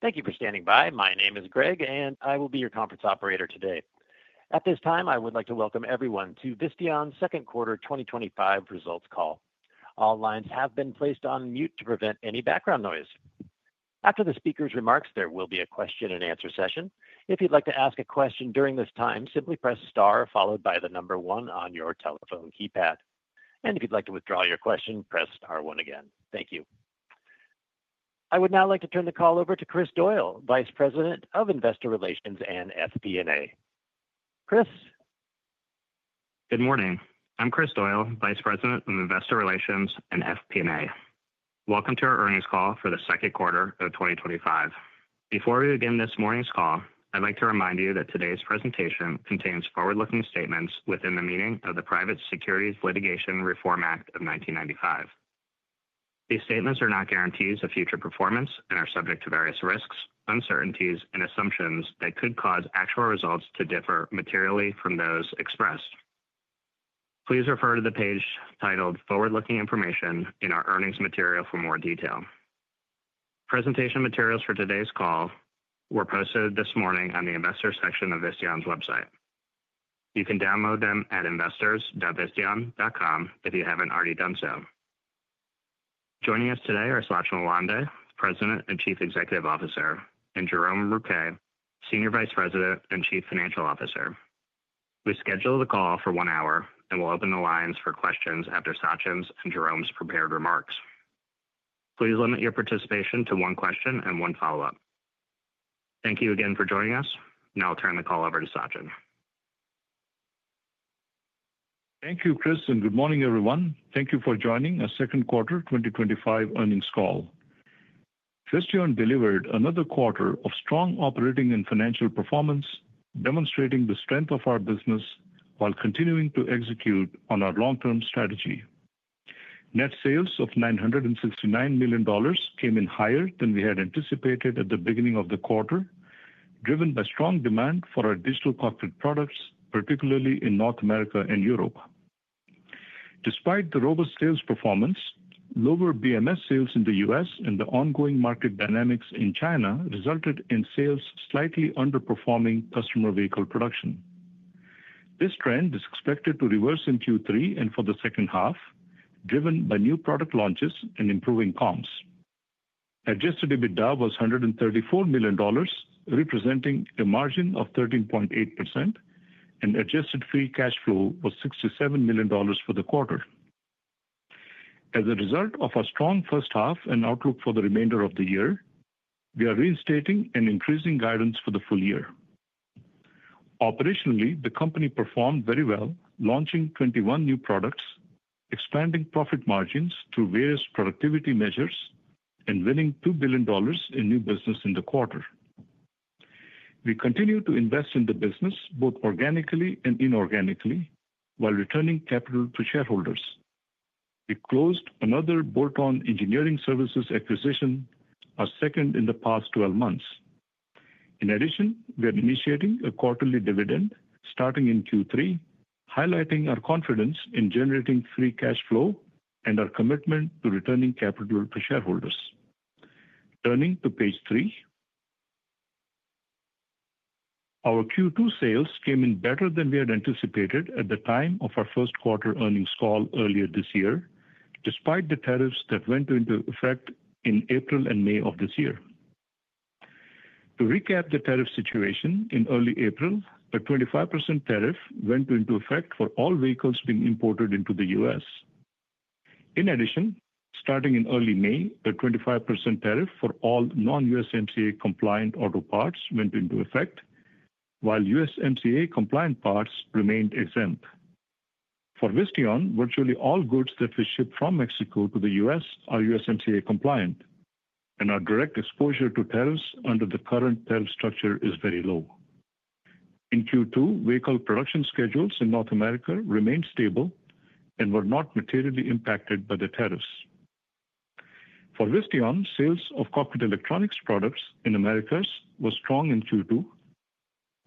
Thank you for standing by. My name is Greg, and I will be your conference operator today. At this time, I would like to welcome everyone to Visteon's Second Quarter twenty twenty five Results Call. All lines have been placed on mute to prevent any background noise. After the speakers' remarks, there will be a question and answer session. Thank you. I would now like to turn the call over to Chris Doyle, Vice President of Investor Relations and FP and A. Chris? Good morning. I'm Chris Doyle, Vice President of Investor Relations and FP and A. Welcome to our earnings call for the second quarter of twenty twenty five. Before we begin this morning's call, I'd like to remind you that today's presentation contains forward looking statements within the meaning of Private Securities Litigation Reform Act of 1995. These statements are not guarantees of future performance and are subject to various risks, uncertainties and assumptions that could cause actual results to differ materially from those expressed. Please refer to the page titled Forward Looking Information in our earnings material for more detail. Presentation materials for today's call were posted this morning on the Investors section of Visteon's website. You can download them at investors.visteon.com if you haven't already done so. Joining us today are Sachin Alwande, President and Chief Executive Officer and Jerome Rupke, Senior Vice President and Chief Financial Officer. We scheduled the call for one hour, and we'll open the lines for questions after Sachin's and Jerome's prepared remarks. Please limit your participation to one question and one follow-up. Thank you again for joining us. Now I'll turn the call over to Sachin. Thank you, Chris, and good morning, everyone. Thank you for joining our second quarter twenty twenty five earnings call. Visteon delivered another quarter of strong operating and financial performance, demonstrating the strength of our business while continuing to execute on our long term strategy. Net sales of $969,000,000 came in higher than we had anticipated at the beginning of the quarter, driven by strong demand for our digital cockpit products, particularly in North America and Europe. Despite the robust sales performance, lower BMS sales in The U. S. And the ongoing market dynamics in China resulted in sales slightly underperforming customer vehicle production. This trend is expected to reverse in Q3 and for the second half, driven by new product launches and improving comps. Adjusted EBITDA was $134,000,000 representing a margin of 13.8% and adjusted free cash flow was $67,000,000 for the quarter. As a result of a strong first half and outlook for the remainder of the year, we are reinstating and increasing guidance for the full year. Operationally, the company performed very well launching 21 new products, expanding profit margins through various productivity measures and winning $2,000,000,000 in new business in the quarter. We continue to invest in the business both organically and inorganically while returning capital to shareholders. We closed another bolt on engineering services acquisition, our second in the past twelve months. In addition, we are initiating a quarterly dividend starting in Q3, highlighting our confidence in generating free cash flow and our commitment to returning capital to shareholders. Turning to Page three, our Q2 sales came in better than we had anticipated at the time of our first quarter earnings call earlier this year, despite the tariffs that went into effect in April and May. To recap the tariff situation, in early April, a 25% tariff went into effect for all vehicles being imported into The U. S. In addition, starting in early May, a 25% tariff for all non USMCA compliant auto parts went into effect, while USMCA compliant parts remained exempt. For Visteon, virtually all goods that we ship from Mexico to The U. S. Are USMCA compliant and our direct exposure to tariffs under the current tariff structure is very low. In Q2, vehicle production schedules in North America remained stable and were not materially impacted by the tariffs. For Visteon, sales of cockpit electronics products in Americas was strong in Q2.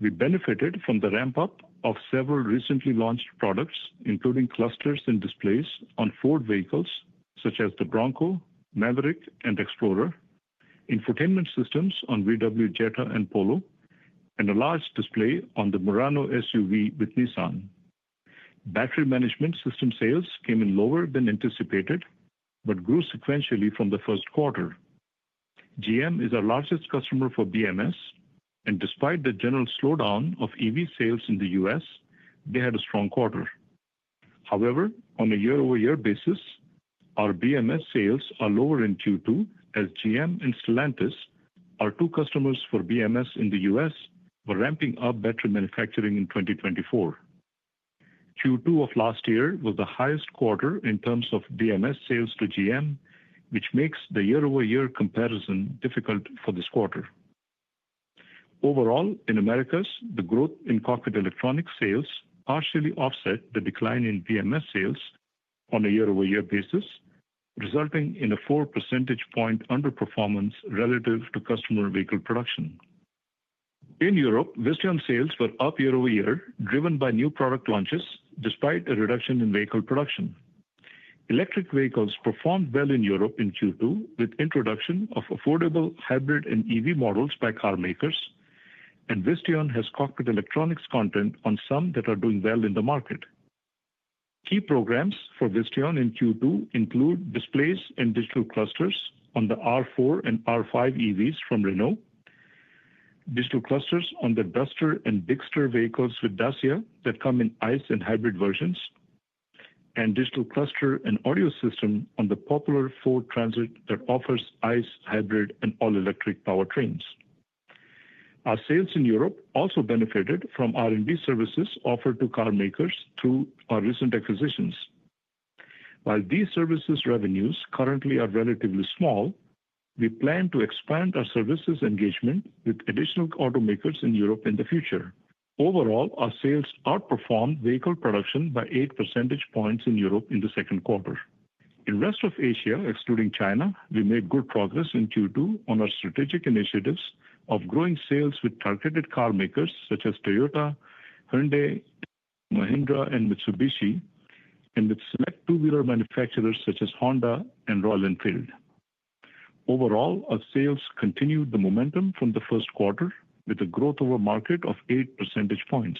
We benefited from the ramp up of several recently launched products including clusters and displays on Ford vehicles such as the Bronco, Maverick and Explorer, infotainment systems on VW Jetta and Polo and a large display on the Murano SUV with Nissan. Battery management system sales came in lower than anticipated, but grew sequentially from the first quarter. GM is our largest customer for BMS and despite the general slowdown of EV sales in The U. S, they had a strong quarter. However, on a year over year basis, our BMS sales are lower in Q2 as GM and Stellantis, our two customers for BMS in The U. S, were ramping up battery manufacturing in 2024. Q2 of last year was the highest quarter in terms of BMS sales to GM, which makes the year over year comparison difficult for this quarter. Overall, in Americas, the growth in cockpit electronics sales partially offset the decline in PMS sales on a year over year basis, in a four percentage point underperformance relative to customer vehicle production. In Europe, Visteon sales were up year over year driven by new product launches despite a reduction in vehicle production. Electric vehicles performed well in Europe in Q2 with introduction of affordable hybrid and EV models by carmakers and Visteon has cockpit electronics content on some that are doing well in the market. Key programs for Visteon in Q2 include displays and digital clusters on the R4 and R5 EVs from Renault, digital clusters on the Duster and Bickster vehicles with Dassia that come in ICE and hybrid versions, and digital cluster and audio system on the popular Ford Transit that offers ICE, hybrid and all electric powertrains. Our sales in Europe also benefited from R and D services offered to carmakers through our recent acquisitions. While these services revenues currently are relatively small, we plan to expand our services engagement with additional automakers in Europe in the future. Overall, our sales outperformed vehicle production by eight percentage points in Europe in the second quarter. In rest of Asia, excluding China, we made good progress in Q2 on our strategic initiatives of growing sales with targeted carmakers such as Toyota, Hyundai, Mahindra and Mitsubishi and with select two wheeler manufacturers such as Honda and Royal Enfield. Overall, our sales continued the momentum from the first quarter with a growth over market of eight percentage points.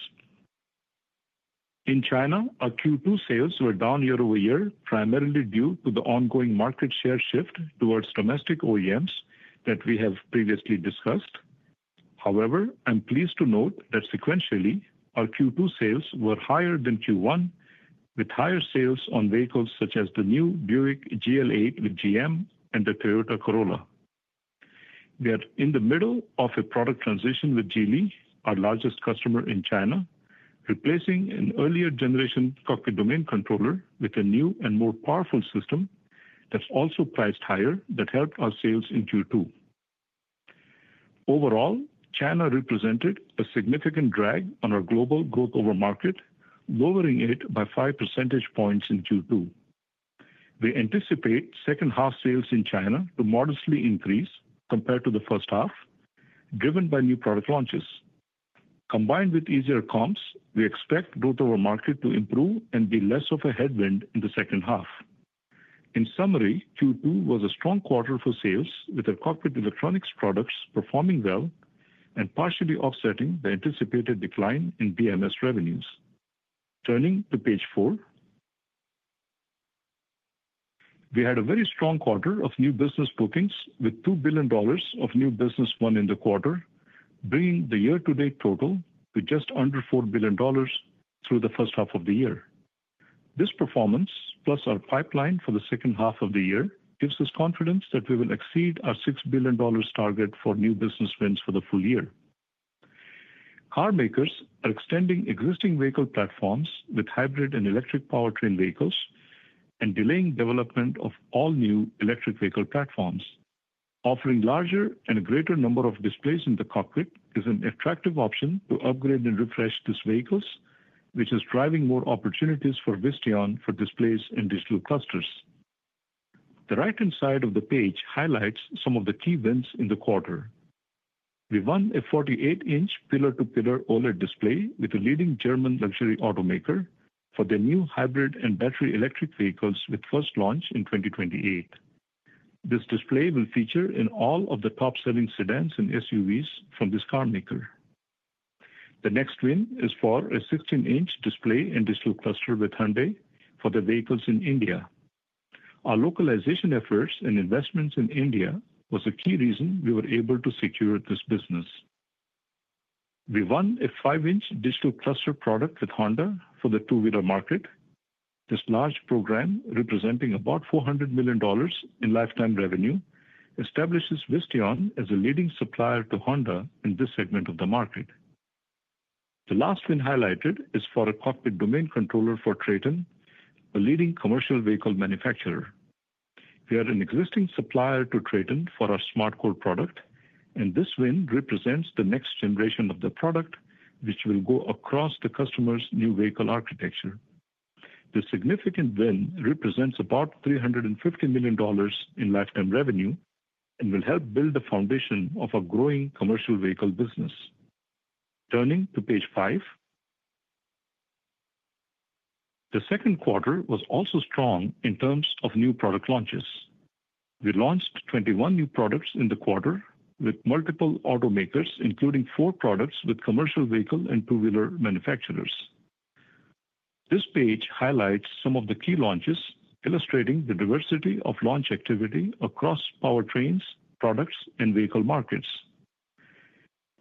In China, our Q2 sales were down year over year primarily due to the ongoing market share shift towards domestic OEMs that we have previously discussed. However, I'm pleased to note that sequentially our Q2 sales were higher than Q1 with higher sales on vehicles such as the new Buick GL8 with GM and the Toyota Corolla. We are in the middle of a product transition with Geely, our largest customer in China, replacing an earlier generation cockpit domain controller with a new and more powerful system that's also priced higher that helped our sales in Q2. Overall, China represented a significant drag on our global growth over market, lowering it by five percentage points in Q2. We anticipate second half sales in China to modestly increase compared to the first half, driven by new product launches. Combined with easier comps, we expect growth over market to improve and be less of a headwind in the second half. In summary, Q2 was a strong quarter for sales with our corporate electronics products performing well and partially offsetting the anticipated decline in BMS revenues. Turning to Page four, we had a very strong quarter of new business bookings with $2,000,000,000 of new business won in the quarter, bringing the year to date total to just under $4,000,000,000 through the first half of the year. This performance plus our pipeline for the second half of the year gives us confidence that we will exceed our $6,000,000,000 target for new business wins for the full year. Car makers are extending existing vehicle platforms with hybrid and electric powertrain vehicles and delaying development of all new electric vehicle platforms. Offering larger and a greater number of displays in the cockpit is an attractive option to upgrade and refresh these vehicles, which is driving more opportunities for Visteon for displays in digital clusters. The right hand side of the page highlights some of the key wins in the quarter. We won a 48 inches pillar to pillar OLED display with a leading German luxury automaker for the new hybrid and battery electric vehicles with first launch in 2028. This display will feature in all of the top selling sedans and SUVs from this carmaker. The next win is for a 16 inches display and digital cluster with Hyundai for the vehicles in India. Our localization efforts and investments in India was a key reason we were able to secure this business. We won a five inches digital cluster product with Honda for the two wheeler market. This large program representing about $400,000,000 in lifetime revenue establishes Visteon as a leading supplier to Honda in this segment of the market. The last win highlighted is for a cockpit domain controller for Traton, a leading commercial vehicle manufacturer. We are an existing supplier to Traton for our SmartCore product and this win represents the next generation of the product, which will go across the customer's new vehicle architecture. The significant win represents about $350,000,000 in lifetime revenue and will help build the foundation of a growing commercial vehicle business. Turning to Page five, the second quarter was also strong in terms of new product launches. We launched 21 new products in the quarter with multiple automakers including four products with commercial vehicle and two wheeler manufacturers. This page highlights some of the key launches illustrating the diversity of launch activity across powertrains, products and vehicle markets.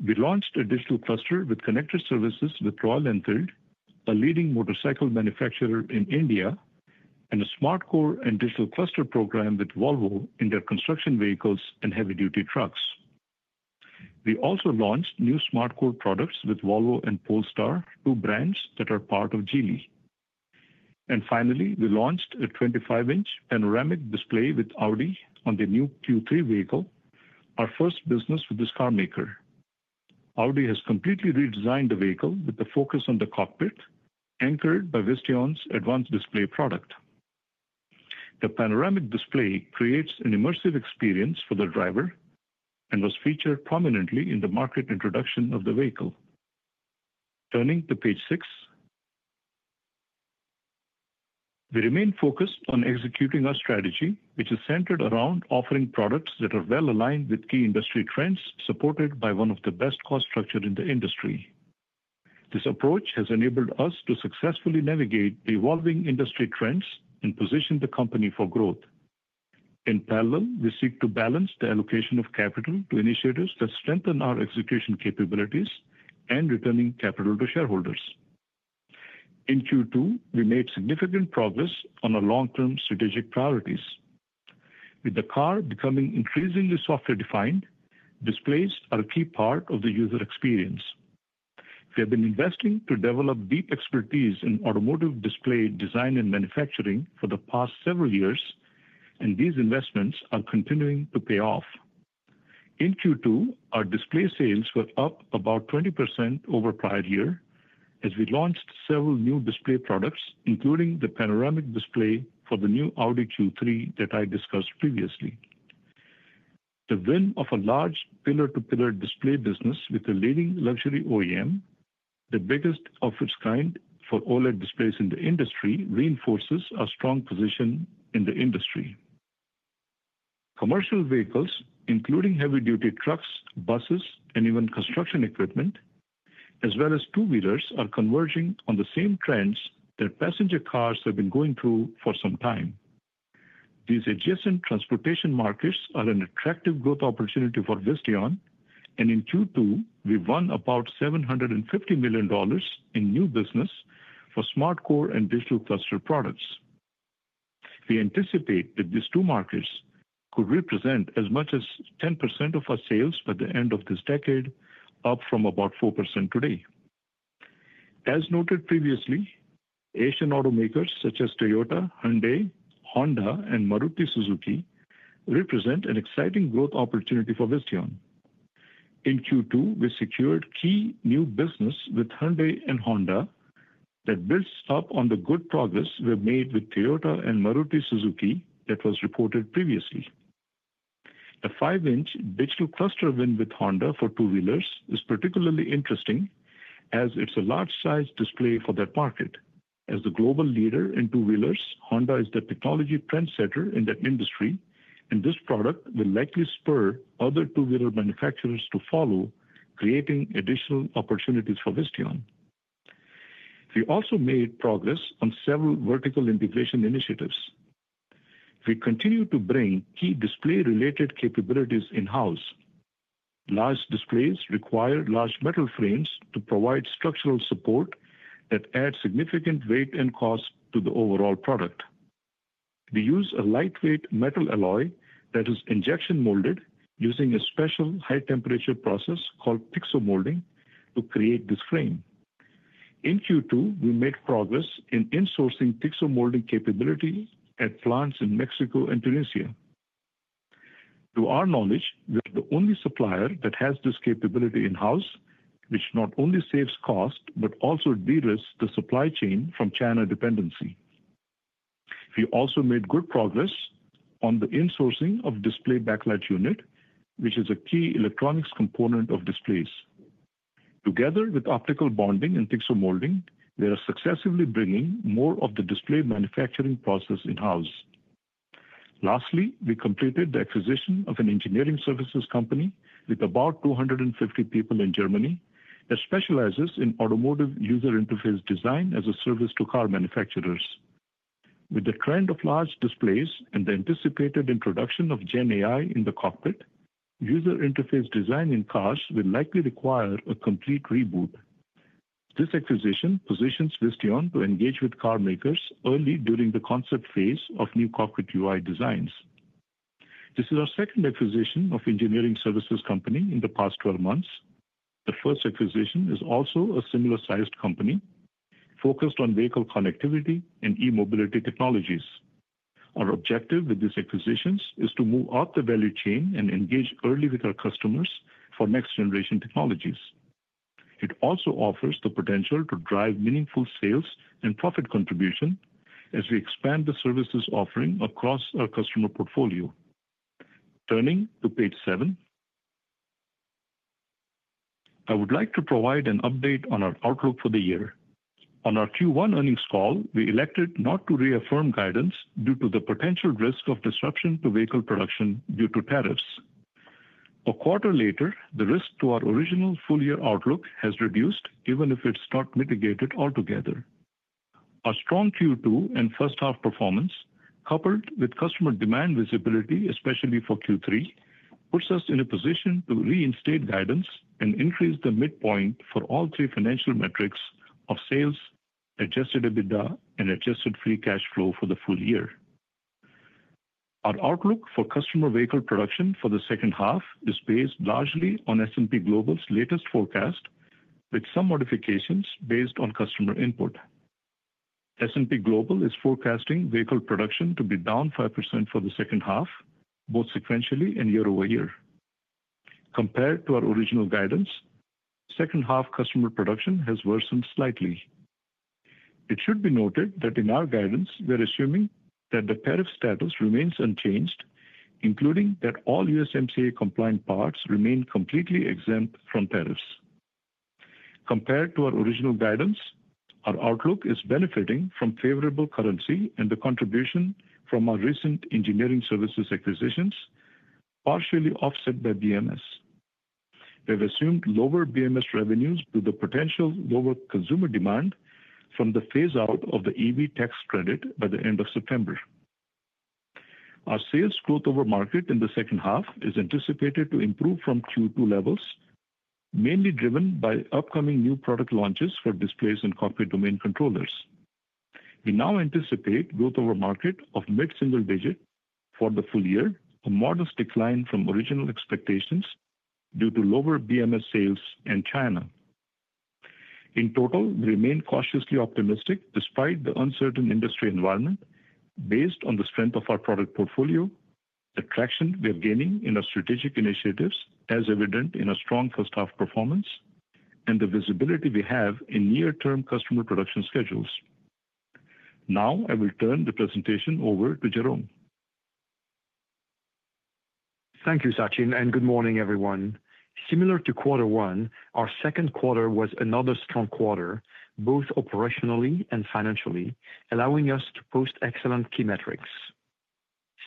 We launched a digital cluster with connected services with Roy Lentild, a leading motorcycle manufacturer in India and the SmartCore and digital cluster program with Volvo in their construction vehicles and heavy duty trucks. We also launched new SmartCore products with Volvo and Polestar, two brands that are part of Geely. And finally, we launched a 25 inches panoramic display with Audi on the new Q3 vehicle, our first business with this car maker. Audi has completely redesigned the vehicle with the focus on the cockpit anchored by Visteon's advanced display product. The panoramic display creates an immersive experience for the driver and was featured prominently in the market introduction of the vehicle. Turning to Page six, we remain focused on executing our strategy, which is centered around offering products that are well aligned with key industry trends supported by one of the best cost structure in the industry. This approach has enabled us to successfully navigate the evolving industry trends and position the company for growth. In parallel, we seek to balance the allocation of capital to initiatives that strengthen our execution capabilities and returning capital to shareholders. In Q2, we made significant progress on our long term strategic priorities. With the car becoming increasingly software defined, displays are a key part of the user experience. We have been investing to develop deep expertise in automotive display design and manufacturing for the past several years and these investments are continuing to pay off. In Q2, our display sales were up about 20% over prior year as we launched several new display products including the panoramic display for the new Audi Q3 that I discussed previously. The win of a large pillar to pillar display business with a leading luxury OEM, the biggest of its kind for OLED displays in the industry reinforces our strong position in the industry. Commercial vehicles including heavy duty trucks, buses and even construction equipment as well as two meters are converging on the same trends that passenger cars have been going through for some time. These adjacent transportation markets are an attractive growth opportunity for Visteon and in Q2, we won about $750,000,000 in new business for SmartCore and digital cluster products. We anticipate that these two markets could represent as much as 10% of our sales by the end of this decade, up from about 4% today. As noted previously, Asian automakers such as Toyota, Hyundai, Honda and Maruti Suzuki represent an exciting growth opportunity for Visteon. In Q2, we secured key new business with Hyundai and Honda that builds up on the good progress we have made with Toyota and Maruti Suzuki that was reported previously. The five inch digital cluster win with Honda for two wheelers is particularly interesting as it's a large size display for that market. As the global leader in two wheelers, Honda is the technology trendsetter in that industry and this product will likely spur other two wheeler manufacturers to follow creating additional opportunities for Visteon. We also made progress on several vertical integration initiatives. We continue to bring key display related capabilities in house. Large displays require large metal frames to provide structural support that add significant weight and cost to the overall product. We use a lightweight metal alloy that is injection molded using a special high temperature process called Pixomolding to create this frame. In Q2, we made progress in insourcing Pixomolding capability at plants in Mexico and Tunisia. To our knowledge, we are the only supplier that has this capability in house, which not only saves cost, but also de risk the supply chain from China dependency. We also made good progress on the insourcing of display backlight unit, which is a key electronics component of displays. Together with optical bonding and Pixomolding, we are successively bringing more of the display manufacturing process in house. Lastly, we completed the acquisition of an engineering services company with about two fifty people in Germany that specializes in automotive user interface design as a service to car manufacturers. With the trend of large displays and the anticipated introduction of Gen AI in the cockpit, user interface design in cars will likely require a complete reboot. This acquisition positions Visteon to engage with carmakers early during the concept phase of new corporate UI designs. This is our second acquisition of engineering services company in the past twelve months. The first acquisition is also a similar sized company focused on vehicle connectivity and e mobility technologies. Our objective with these acquisitions is to move up the value chain and engage early with our customers for next generation technologies. It also offers the potential to drive meaningful sales and profit contribution as we expand the services offering across our customer portfolio. Turning to Page seven, I would like to provide an update on our outlook for the year. On our Q1 earnings call, we elected not to reaffirm guidance due to the potential risk of disruption to vehicle production due to tariffs. A quarter later, the risk to our original full year outlook has reduced even if it's not mitigated altogether. Our strong Q2 and first half performance coupled with customer demand visibility, especially for Q3 puts us in a position to reinstate guidance and increase the midpoint for all three financial metrics of sales, adjusted EBITDA and adjusted free cash flow for the full year. Our outlook for customer vehicle production for the second half is based largely on S and P Global's latest forecast with some modifications based on customer input. S and P Global is forecasting vehicle production to be down 5% for the second half, both sequentially and year over year. Compared to our original guidance, second half customer production has worsened slightly. It should be noted that in our guidance, we're assuming that the tariff status remains unchanged, including that all USMCA compliant parts remain completely exempt from tariffs. Compared to our original guidance, our outlook is benefiting from favorable currency and the contribution from our recent engineering services acquisitions, partially offset by BMS. We've assumed lower BMS revenues due to potential lower consumer demand from the phase out of the EV tax credit by the September. Our sales growth over market in the second half is anticipated to improve from Q2 levels, mainly driven by upcoming new product launches for displays and corporate domain controllers. We now anticipate growth over market of mid single digit for the full year, a modest decline from original expectations due to lower BMS sales in China. In total, we remain cautiously optimistic despite the uncertain industry environment based on the strength of our product portfolio, the traction we are gaining in our strategic initiatives as evident in a strong first half performance and the visibility we have in near term customer production schedules. Now I will turn the presentation over to Jerome. Thank you, Sachin, and good morning, everyone. Similar to quarter one, our second quarter was another strong quarter, both operationally and financially, allowing us to post excellent key metrics.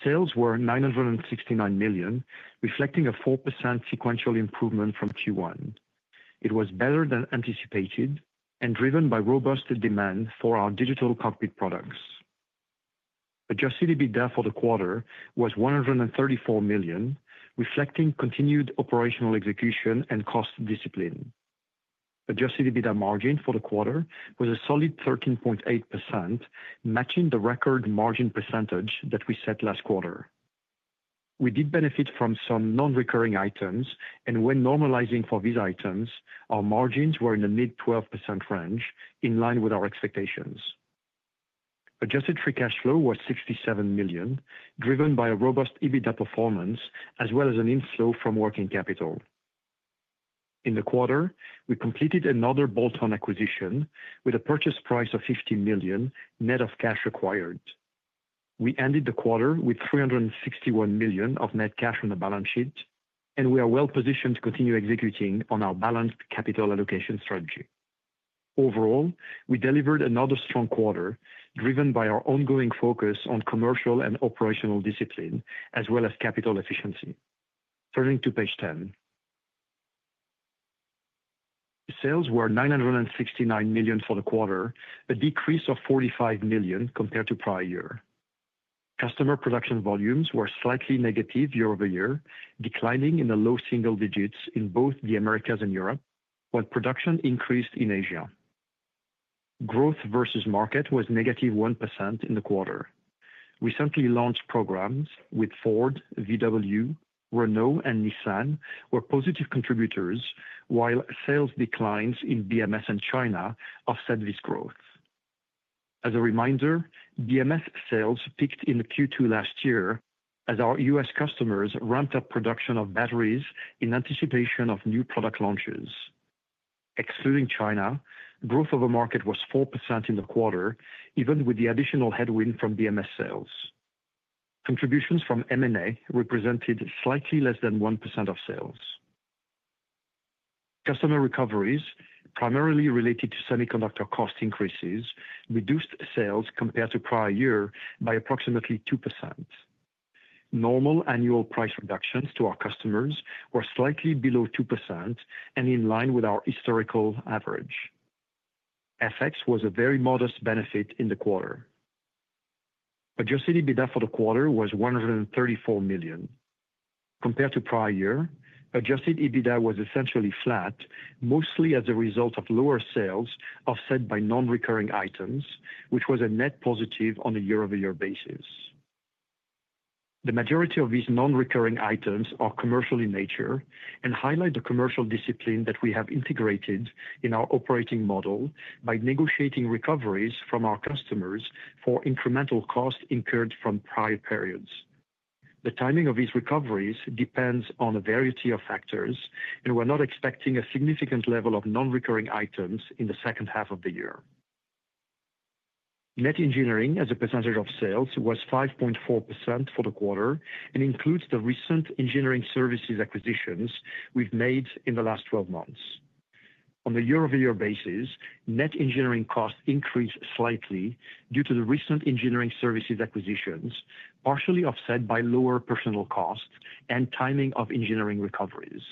Sales were $969,000,000 reflecting a 4% sequential improvement from Q1. It was better than anticipated and driven by robust demand for our digital cockpit products. Adjusted EBITDA for the quarter was $134,000,000 reflecting continued operational execution and cost discipline. Adjusted EBITDA margin for the quarter was a solid 13.8% matching the record margin percentage that we set last quarter. We did benefit from some non recurring items and when normalizing for these items, our margins were in the mid-twelve percent range in line with our expectations. Adjusted free cash flow was $67,000,000 driven by a robust EBITDA performance as well as an inflow from working capital. In the quarter, we completed another bolt on acquisition with a purchase price of $50,000,000 net of cash required. We ended the quarter with $361,000,000 of net cash on the balance sheet and we are well positioned to continue executing on our balanced capital allocation strategy. Overall, we delivered another strong quarter, driven by our ongoing focus on commercial and operational discipline as well as capital efficiency. Turning to Page 10. Sales were $969,000,000 for the quarter, a decrease of $45,000,000 compared to prior year. Customer production volumes were slightly negative year over year, declining in the low single digits in both The Americas and Europe, while production increased in Asia. Growth versus market was negative 1% in the quarter. Recently launched programs with Ford, VW, Renault and Nissan were positive contributors, while sales declines in BMS and China offset this growth. As a reminder, BMS sales peaked in Q2 last year as our U. S. Customers ramped up production of batteries in anticipation of new product launches. Excluding China, growth of a market was 4% in the quarter, even with the additional headwind from BMS sales. Contributions from M and A represented slightly less than 1% of sales. Customer recoveries, primarily related to semiconductor cost increases, reduced sales compared to prior year by approximately 2%. Normal annual price reductions to our customers were slightly below 2% and in line with our historical average. FX was a very modest benefit in the quarter. Adjusted EBITDA for the quarter was $134,000,000 Compared to prior year, adjusted EBITDA was essentially flat, mostly as a result of lower sales offset by non recurring items, which was a net positive on a year over year basis. The majority of these non recurring items are commercial in nature and highlight the commercial discipline that we have integrated in our operating model by negotiating recoveries from our customers for incremental costs incurred from prior periods. The timing of these recoveries depends on a variety of factors and we're not expecting a significant level of nonrecurring items in the second half of the year. Net engineering as a percentage of sales was 5.4% for the quarter and includes the recent engineering services acquisitions we've made in the last twelve months. On a year over year basis, net engineering costs increased slightly due to the recent engineering services acquisitions, partially offset by lower personnel costs and timing of engineering recoveries.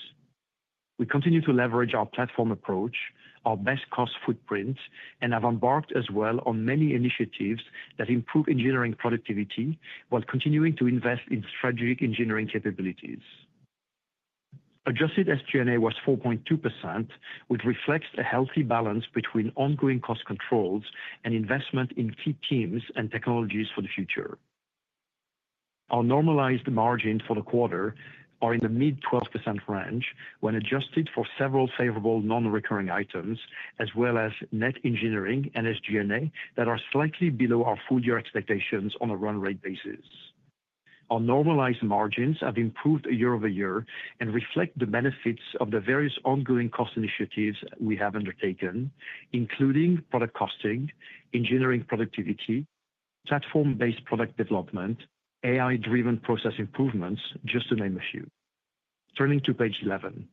We continue to leverage our platform approach, our best cost footprint and have embarked as well on many initiatives that improve engineering productivity, while continuing to invest in strategic engineering capabilities. Adjusted SG and A was 4.2%, which reflects a healthy balance between ongoing cost controls and investment in key teams and technologies for the future. Our normalized margin for the quarter are in the mid-twelve percent range when adjusted for several favorable nonrecurring items as well as net engineering and SG and A that are slightly below our full year expectations on a run rate basis. Our normalized margins have improved year over year and reflect the benefits of the various ongoing cost initiatives we have undertaken, including product costing, engineering productivity, platform based product development, AI driven process improvements, just to name a few. Turning to Page eleven.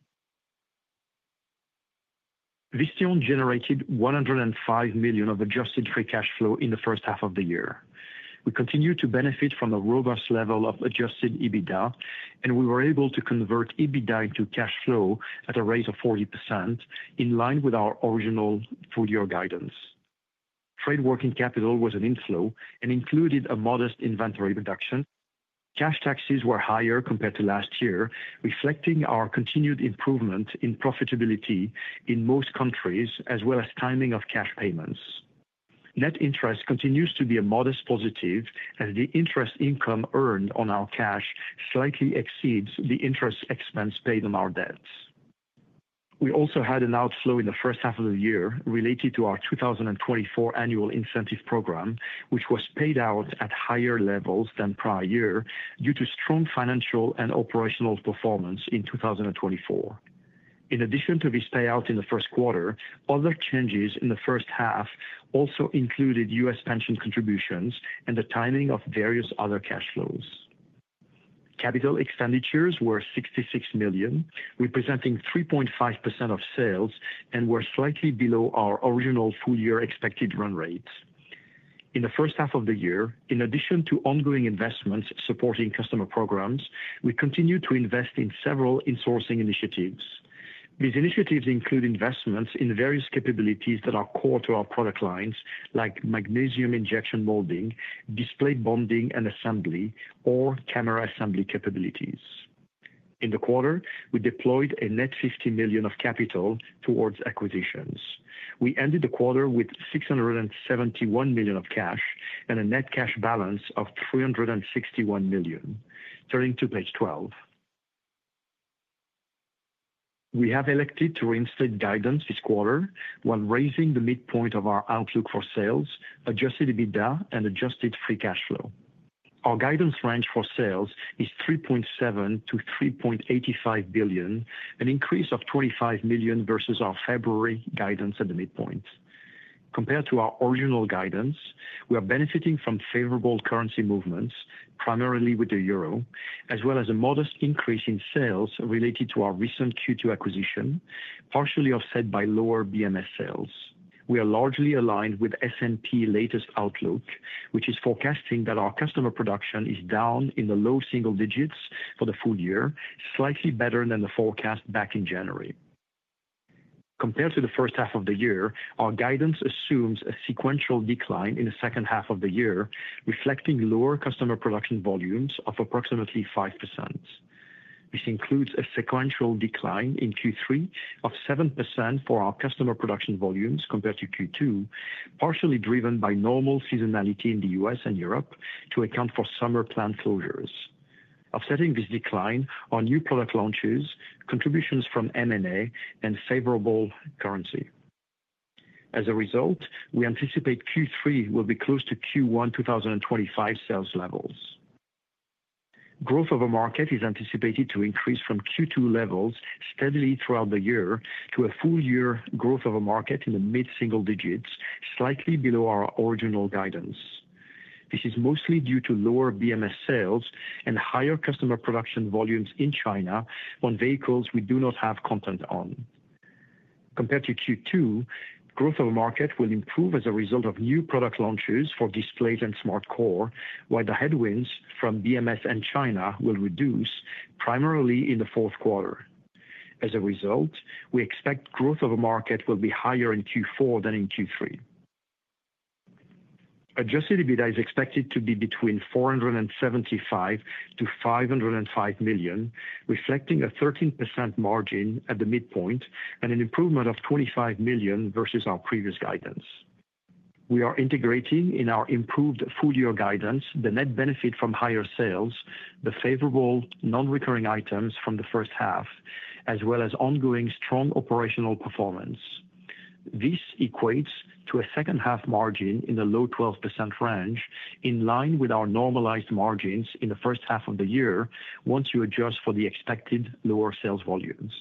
Visteon generated $105,000,000 of adjusted free cash flow in the first half of the year. We continue to benefit from a robust level of adjusted EBITDA and we were able to convert EBITDA into cash flow at a rate of 40% in line with our original full year guidance. Trade working capital was an inflow and included a modest inventory reduction. Cash taxes were higher compared to last year, reflecting our continued improvement in profitability in most countries as well as timing of cash payments. Net interest continues to be a modest positive as the interest income earned on our cash slightly exceeds the interest expense paid on our debts. We also had an outflow in the first half of the year related to our 2024 annual incentive program, which was paid out at higher levels than prior year due to strong financial and operational performance in 2024. In addition to this payout in the first quarter, other changes in the first half also included U. S. Pension contributions and the timing of various other cash flows. Capital expenditures were $66,000,000 representing 3.5% of sales and were slightly below our original full year expected run rate. In the first half of the year, in addition to ongoing investments supporting customer programs, we continue to invest in several in sourcing initiatives. These initiatives include investments in various capabilities that are core to our product lines like magnesium injection molding, display bonding and assembly or camera assembly capabilities. In the quarter, we deployed a net $50,000,000 of capital towards acquisitions. We ended the quarter with $671,000,000 of cash and a net cash balance of $361,000,000 Turning to Page 12. We have elected to reinstate guidance this quarter while raising the midpoint of our outlook for sales, adjusted EBITDA and adjusted free cash flow. Our guidance range for sales is 3,700,000,000.0 to $3,850,000,000 an increase of $25,000,000 versus our February guidance at the midpoint. Compared to our original guidance, we are benefiting from favorable currency movements, primarily with the euro as well as a modest increase in sales related to our recent Q2 acquisition, partially offset by lower BMS sales. We are largely aligned with S and P latest outlook, which is forecasting that our customer production is down in the low single digits for the full year, slightly better than the forecast back in January. Compared to the first half of the year, our guidance assumes a sequential decline in the second half of the year, reflecting lower customer production volumes of approximately 5%. This includes a sequential decline in Q3 of 7% for our customer production volumes compared to Q2, partially driven by normal seasonality in The U. S. And Europe to account for summer plant closures. Offsetting this decline are new product launches, contributions from M and A and favorable currency. As a result, we anticipate Q3 will be close to Q1 twenty twenty five sales levels. Growth of a market is anticipated to increase from Q2 levels steadily throughout the year to a full year growth of a market in the mid single digits, slightly below our original guidance. This is mostly due to lower BMS sales and higher customer production volumes in China on vehicles we do not have content on. Compared to Q2, growth of the market will improve as a result of new product launches for displays and SmartCore, while the headwinds from BMS and China will reduce primarily in the fourth quarter. As a result, we expect growth of a market will be higher in Q4 than in Q3. Adjusted EBITDA is expected to be between $475,000,000 to $5.00 5,000,000 reflecting a 13% margin at the midpoint and an improvement of $25,000,000 versus our previous guidance. We are integrating in our improved full year guidance, the net benefit from higher sales, the favorable non recurring items from the first half as well as ongoing strong operational performance. This equates to a second half margin in the low 12% range in line with our normalized margins in the first half of the year once you adjust for the expected lower sales volumes.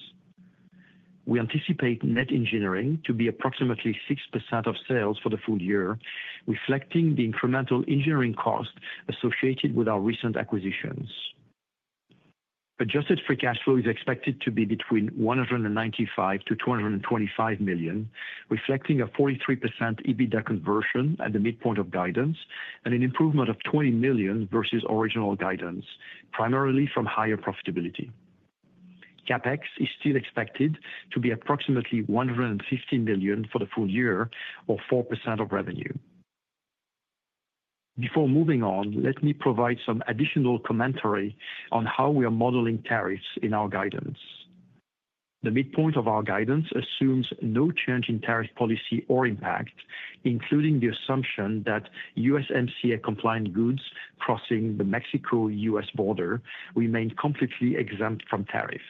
We anticipate net engineering to be approximately 6% of sales for the full year, reflecting the incremental engineering costs associated with our recent acquisitions. Adjusted free cash flow is expected to be between 195,000,000 to $225,000,000 reflecting a 43% EBITDA conversion at the midpoint of guidance and an improvement of $20,000,000 versus original guidance, primarily from higher profitability. CapEx is still expected to be approximately $115,000,000 for the full year or 4% of revenue. Before moving on, let me provide some additional commentary on how we are modeling tariffs in our guidance. The midpoint of our guidance assumes no change in tariff policy or impact, including the assumption that USMCA compliant goods crossing the Mexico U. S. Border remain completely exempt from tariffs.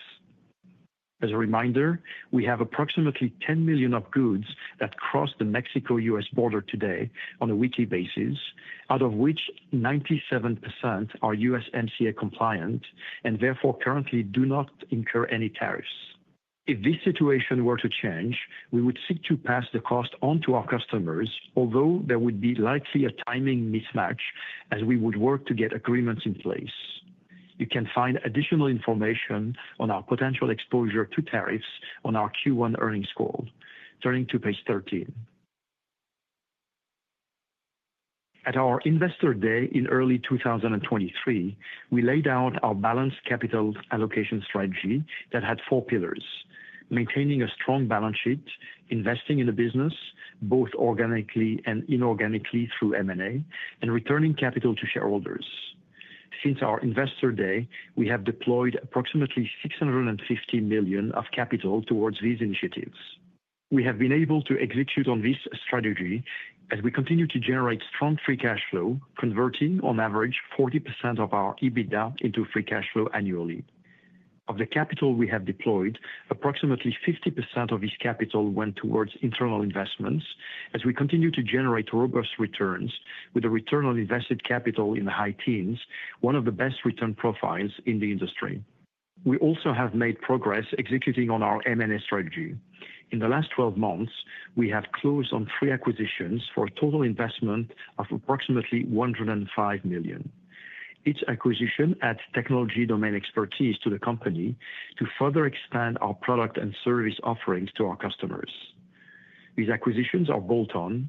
As a reminder, we have approximately $10,000,000 of goods that cross the Mexico U. S. Border today on a weekly basis, out of which 97% are USMCA compliant and therefore currently do not incur any tariffs. If this situation were to change, we would seek to pass the cost onto our customers, although there would be likely a timing mismatch as we would work to get agreements in place. You can find additional information on our potential exposure to tariffs on our Q1 earnings call. Turning to Page 13. At our Investor Day in early twenty twenty three, we laid out our balanced capital allocation strategy that had four pillars: maintaining a strong balance sheet, investing in the business, both organically and inorganically through M and A and returning capital to shareholders. Since our Investor Day, we have deployed approximately $650,000,000 of capital towards these initiatives. We have been able to execute on this strategy as we continue to generate strong free cash flow, converting on average 40% of our EBITDA into free cash flow annually. Of the capital we have deployed, approximately 50% of this capital went towards internal investments as we continue to generate robust returns with a return on invested capital in the high teens, one of the best return profiles in the industry. We also have made progress executing on our M and A strategy. In the last twelve months, we have closed on three acquisitions for a total investment of approximately $105,000,000 Each acquisition adds technology domain expertise to the company to further expand our product and service offerings to our customers. These acquisitions are bolt on,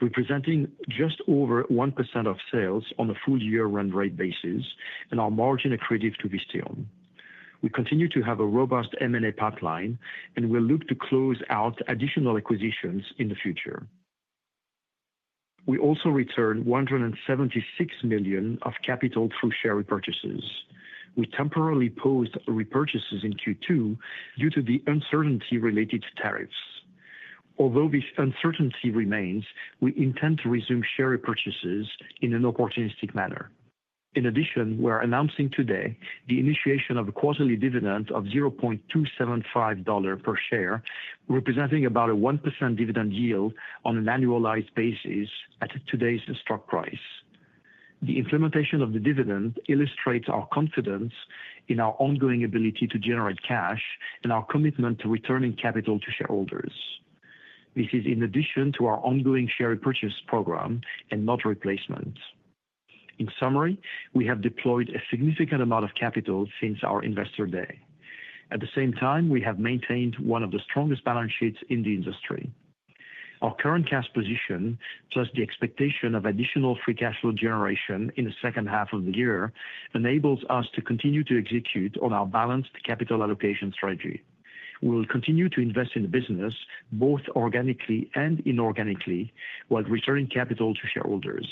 representing just over 1% of sales on a full year run rate basis and are margin accretive to Visteon. We continue to have a robust M and A pipeline and we'll look to close out additional acquisitions in the future. We also returned $176,000,000 of capital through share repurchases. We temporarily posed repurchases in Q2 due to the uncertainty related to tariffs. Although this uncertainty remains, we intend to resume share repurchases in an opportunistic manner. In addition, we are announcing today the initiation of a quarterly dividend of $0.275 per share, representing about a 1% dividend yield on an annualized basis at today's stock price. The implementation of the dividend illustrates our confidence in our ongoing ability to generate cash and our commitment to returning capital to shareholders. This is in addition to our ongoing share repurchase program and not replacements. In summary, we have deployed a significant amount of capital since our Investor Day. At the same time, we have maintained one of the strongest balance sheets in the industry. Our current cash position plus the expectation of additional free cash flow generation in the second half of the year enables us to continue to execute on our balanced capital allocation strategy. We will continue to invest in the business both organically and inorganically while returning capital to shareholders.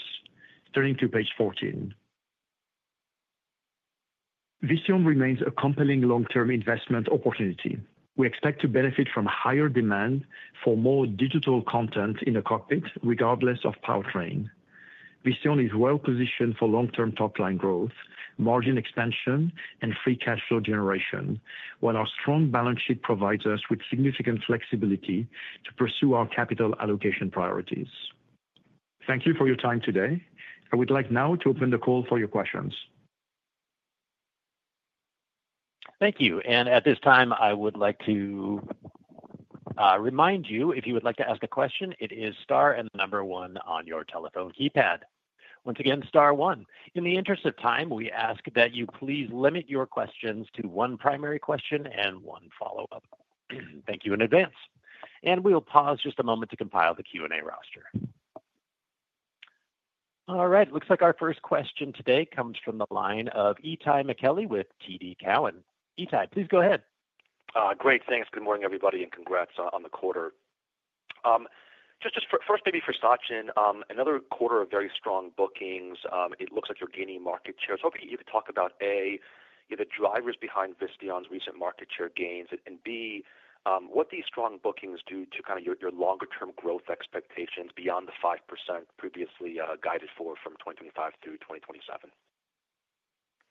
Turning to Page 14. Visteon remains a compelling long term investment opportunity. We expect to benefit from higher demand for more digital content in the cockpit regardless of powertrain. Visteon is well positioned for long term top line growth, margin expansion and free cash flow generation, while our strong balance sheet provides us with significant flexibility to pursue our capital allocation priorities. Thank you for your time today. I would like now to open the call for your questions. Thank remind you if you would like to ask a question, it is star and the number one on your telephone keypad. In the interest of time, we ask that you please limit your questions to one primary question and one follow-up. Right. Looks like our first question today comes from the line of Ittai McKelley with TD Cowen. Ittai, please go ahead. Great, thanks. Good morning, everybody, and congrats on the quarter. Just first maybe for Sachin, another quarter of very strong bookings. It looks like you're gaining market share. Was hoping you could talk about, a, the drivers behind Visteon's recent market share gains? And b, what these strong bookings do to kind of your longer term growth expectations beyond the 5% previously guided for from 2025 through 2027?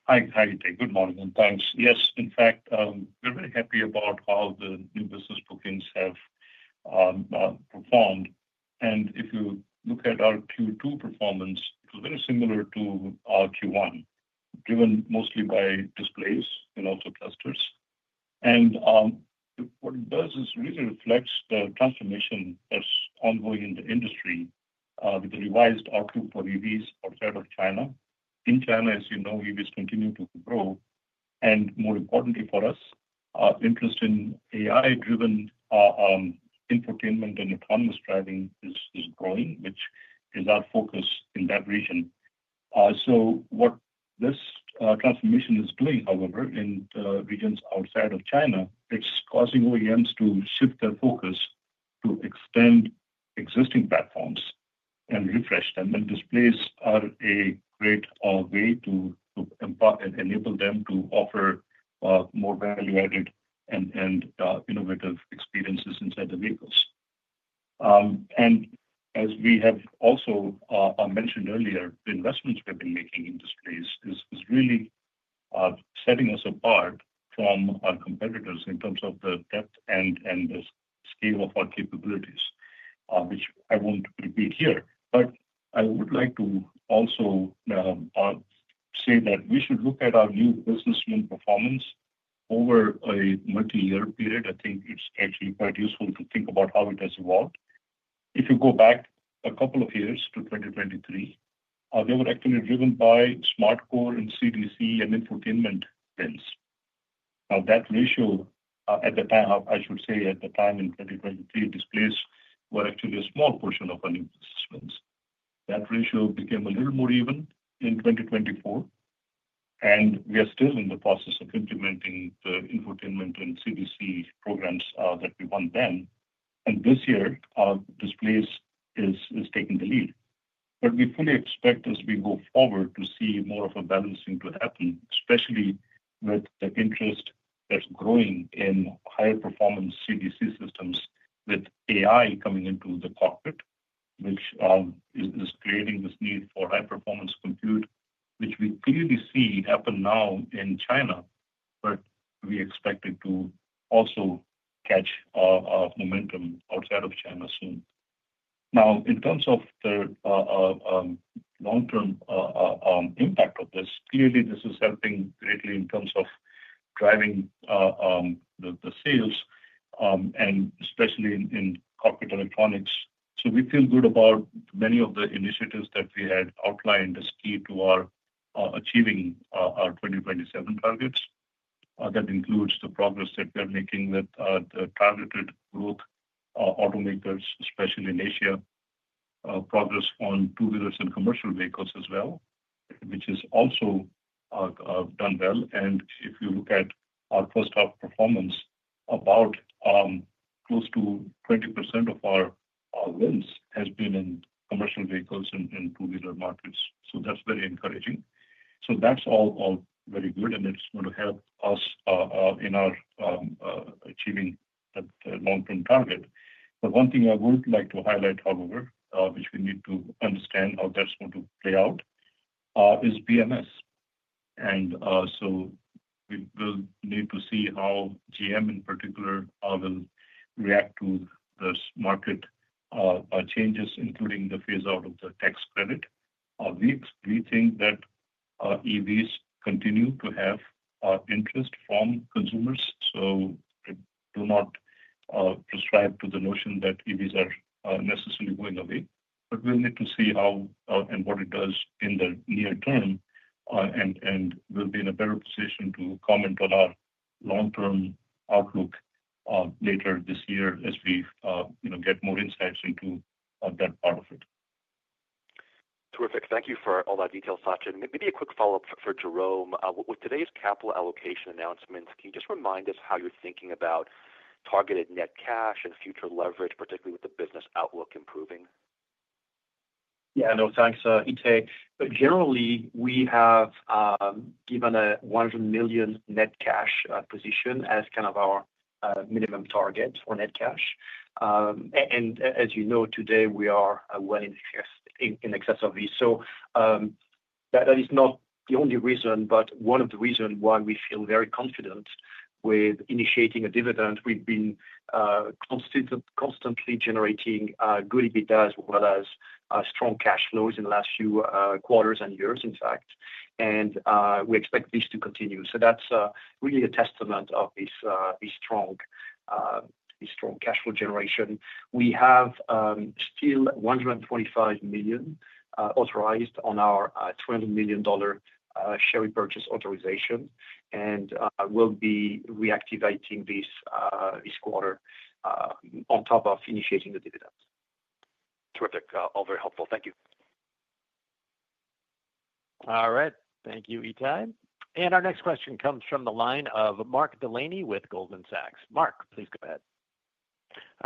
Hi, Ity. Good morning and thanks. Yes, in fact, we're very happy about how the new business bookings have performed. And if you look at our Q2 performance, it was very similar to our Q1, driven mostly by displays and also clusters. And what it does is really reflects the transformation that's ongoing in the industry with the revised ARPU for EVs outside of China. In China, as you know, EVs continue to grow. And more importantly for us, interest in AI driven, infotainment and autonomous driving is is growing, which is our focus in that region. So what this, transformation is doing, however, in regions outside of China, it's causing OEMs to shift their focus to extend existing platforms and refresh them. And displays are a great way to enable them to offer more value added and and innovative experiences inside the vehicles. And as we have also mentioned earlier, the investments we've been making in displays is is really setting us apart from our competitors in terms of the depth and scale of our capabilities, which I won't repeat here. But I would like to also say that we should look at our new businessman performance over a multiyear period. I think it's actually quite useful to think about how it has evolved. If you go back a couple of years to 2023, they were actually driven by SmartCore and CDC and Infotainment bills. Now that ratio, at the time I should say at the time in 2023 displays were actually a small portion of our new systems. That ratio became a little more even in 2024, and we are still in the process of implementing the infotainment and CDC programs, that we won then. And this year, displays is taking the lead. But we fully expect as we go forward to see more of a balancing to happen, especially with the interest that's growing in higher performance CDC systems with AI coming into the cockpit, which is creating this need for high performance compute, which we clearly see happen now in China, but we expect it to also catch momentum outside of China soon. Now in terms of the long term impact of this, clearly, is helping greatly in terms of driving the sales, and especially in cockpit electronics. So we feel good about many of the initiatives that we had outlined as key to our achieving our 2027 targets. That includes the progress that we are making with the targeted growth automakers, especially in Asia, progress on two wheelers and commercial vehicles as well, which has also done well. And if you look at our first half performance, about close to 20% of our wins has been in commercial vehicles and two wheeler markets. So that's very encouraging. So that's all very good, and it's going to help us in our achieving that long term target. But one thing I would like to highlight, however, which we need to understand how that's going to play out is BMS. And so we will need to see how GM in particular will react to this market changes including the phase out of the tax credit. Think that EVs continue to have interest from consumers, so do not prescribe to the notion that EVs are necessarily going away, but we'll need to see how and what it does in the near term. And we'll be in a better position to comment on our long term outlook later this year as we get more insights into that part of it. Terrific. Thank you for all that detail, Sachin. Maybe a quick follow-up for Jerome. With today's capital allocation announcements, can you just remind us how you're thinking about targeted net cash and future leverage, particularly with the business outlook improving? Yes. No, thanks, Itay. Generally, we have given a $100,000,000 net cash position as kind of our minimum target for net cash. And as you know, today, we are well in excess of this. So that is not the only reason, but one of the reasons why we feel very confident with initiating a dividend. We've been constantly generating good EBITDA as well as strong cash flows in the last few quarters and years, in fact. And we expect this to continue. So that's really a testament of this strong cash flow generation. We have still $125,000,000 authorized on our $20,000,000 share repurchase authorization. And we'll be reactivating this quarter on top of initiating the dividend. Terrific. All very helpful. Thank you. All right. Thank you, Itay. And our next question comes from the line of Mark Delaney with Goldman Sachs. Mark, please go ahead.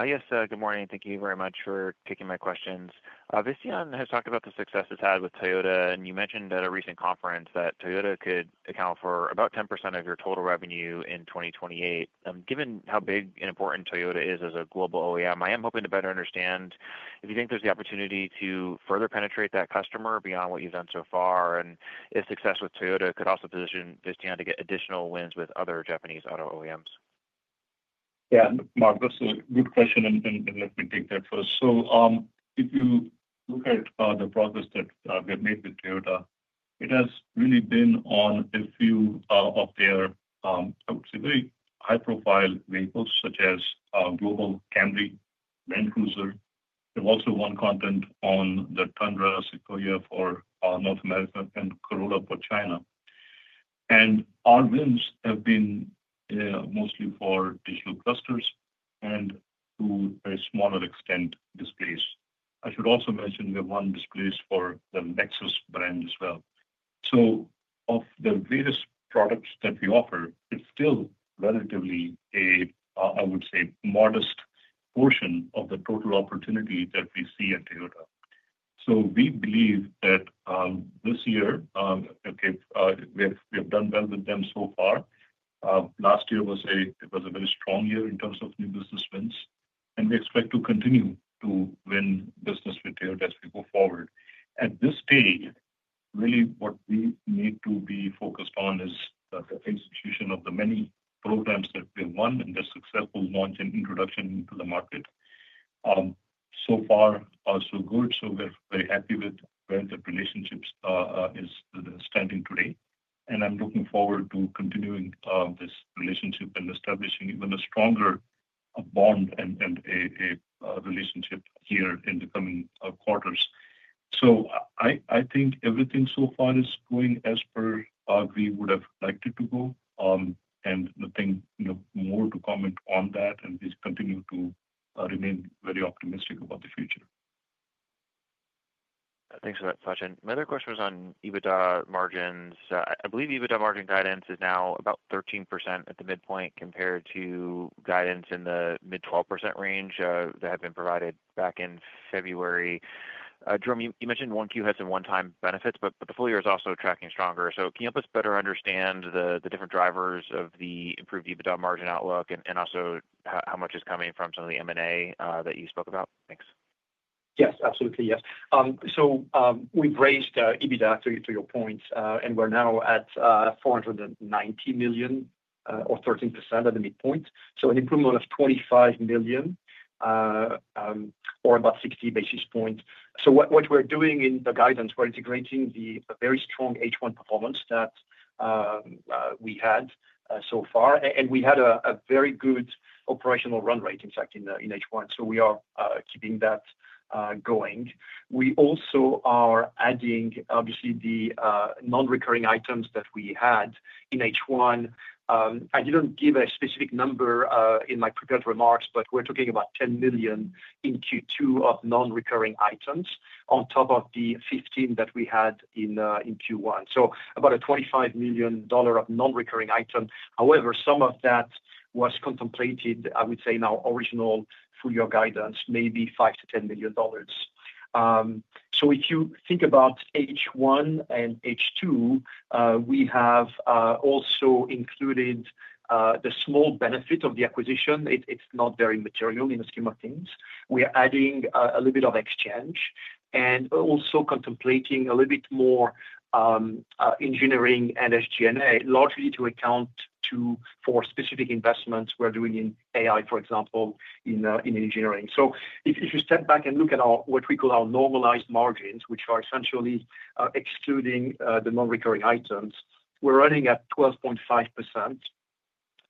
Yes. Good morning. Thank you very much for taking my questions. Visteon has talked about the success it's had with Toyota and you mentioned at a recent conference that Toyota could account for about 10% of your total revenue in 2028. Given how big and important Toyota is as a global OEM, I am hoping to better understand if you think there's the opportunity to further penetrate that customer beyond what you've done so far and if success with Toyota could also position Visteon to get additional wins with other Japanese auto OEMs? Mark, that's a good question and let me take that first. So if you look at the progress that we have made with Toyota, it has really been on a few of their, I would say, very high profile vehicles such as Global Camry, Land Cruiser. We've also won content on the Tundra Sequoia for North America and Corolla for China. And our wins have been mostly for digital clusters and to a smaller extent displays. I should also mention the one displays for the Nexus brand as well. So of the latest products that we offer, it's still relatively a, I would say, modest portion of the total opportunity that we see at Toyota. So we believe that this year, okay, we have done well with them so far. Last year was a very strong year in terms of new business wins, and we expect to continue to win business with Taird as we go forward. At this stage, really what we need to be focused on is the execution of the many programs that we've won and the successful launch and introduction into the market. So far also good. So we're very happy with where the relationships is standing today. And I'm looking forward to continuing this relationship and establishing even a stronger bond and a relationship here in the coming quarters. So I think everything so far is going as per we would have liked it to go and nothing more to comment on that and please continue to remain very optimistic about the future. Thanks for that Sachin. My other question was on EBITDA margins. I believe EBITDA margin guidance is now about 13% at the midpoint compared to guidance in the mid-twelve percent range that have been provided back in February. Jerome, you mentioned 1Q had some onetime benefits, but the full year is also tracking stronger. So can you help us better understand the different drivers of the improved EBITDA margin outlook? And also how much is coming from some of the M and A that you spoke about? Thanks. Yes, absolutely. Yes. So we've raised EBITDA to your points, and we're now at four ninety million dollars or 13% at the midpoint. So an improvement of $25,000,000 or about 60 basis points. So what we're doing in the guidance, we're integrating the very strong H1 performance that we had so far. And we had a very good operational run rate, in fact, in H1. So we are keeping that going. We also are adding, obviously, the nonrecurring items that we had in H1. I didn't give a specific number in my prepared remarks, but we're talking about $10,000,000 in Q2 of nonrecurring items on top of the 15,000,000 that we had in Q1. So about a $25,000,000 of nonrecurring item. However, some of that was contemplated, I would say, our original full year guidance, maybe 5,000,000 to $10,000,000 So if you think about H1 and H2, we have also included the small benefit of the acquisition. It's not very material in the scheme of things. We are adding a little bit of exchange and also contemplating a little bit more engineering and SG and A largely to account to for specific investments we're doing in AI, for example, in engineering. So if you step back and look at our what we call our normalized margins, which are essentially excluding the nonrecurring items, we're running at 12.5%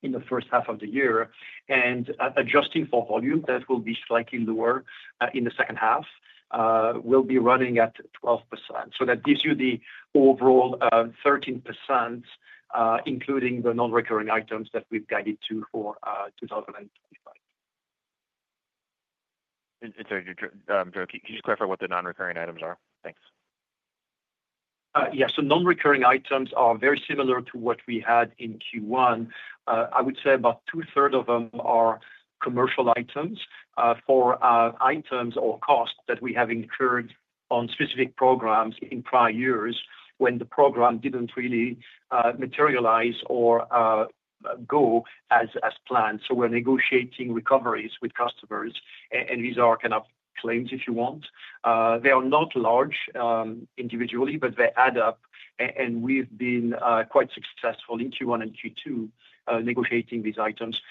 in the first half of the year. And adjusting for volume that will be slightly lower in the second half, we'll be running at 12%. So that gives you the overall 13%, including the nonrecurring items that we've guided to for 2025. And sorry, Drew, can you just clarify what the nonrecurring items are? Thanks. Yes. So nonrecurring items are very similar to what we had in Q1. I would say about twothree of them are commercial items for items or costs that we have incurred on specific programs in prior years when the program didn't really materialize or go as planned. So we're negotiating recoveries with customers and these are kind of claims if you want. They are not large individually, but they add up and we've been quite successful in Q1 and Q2 negotiating these items.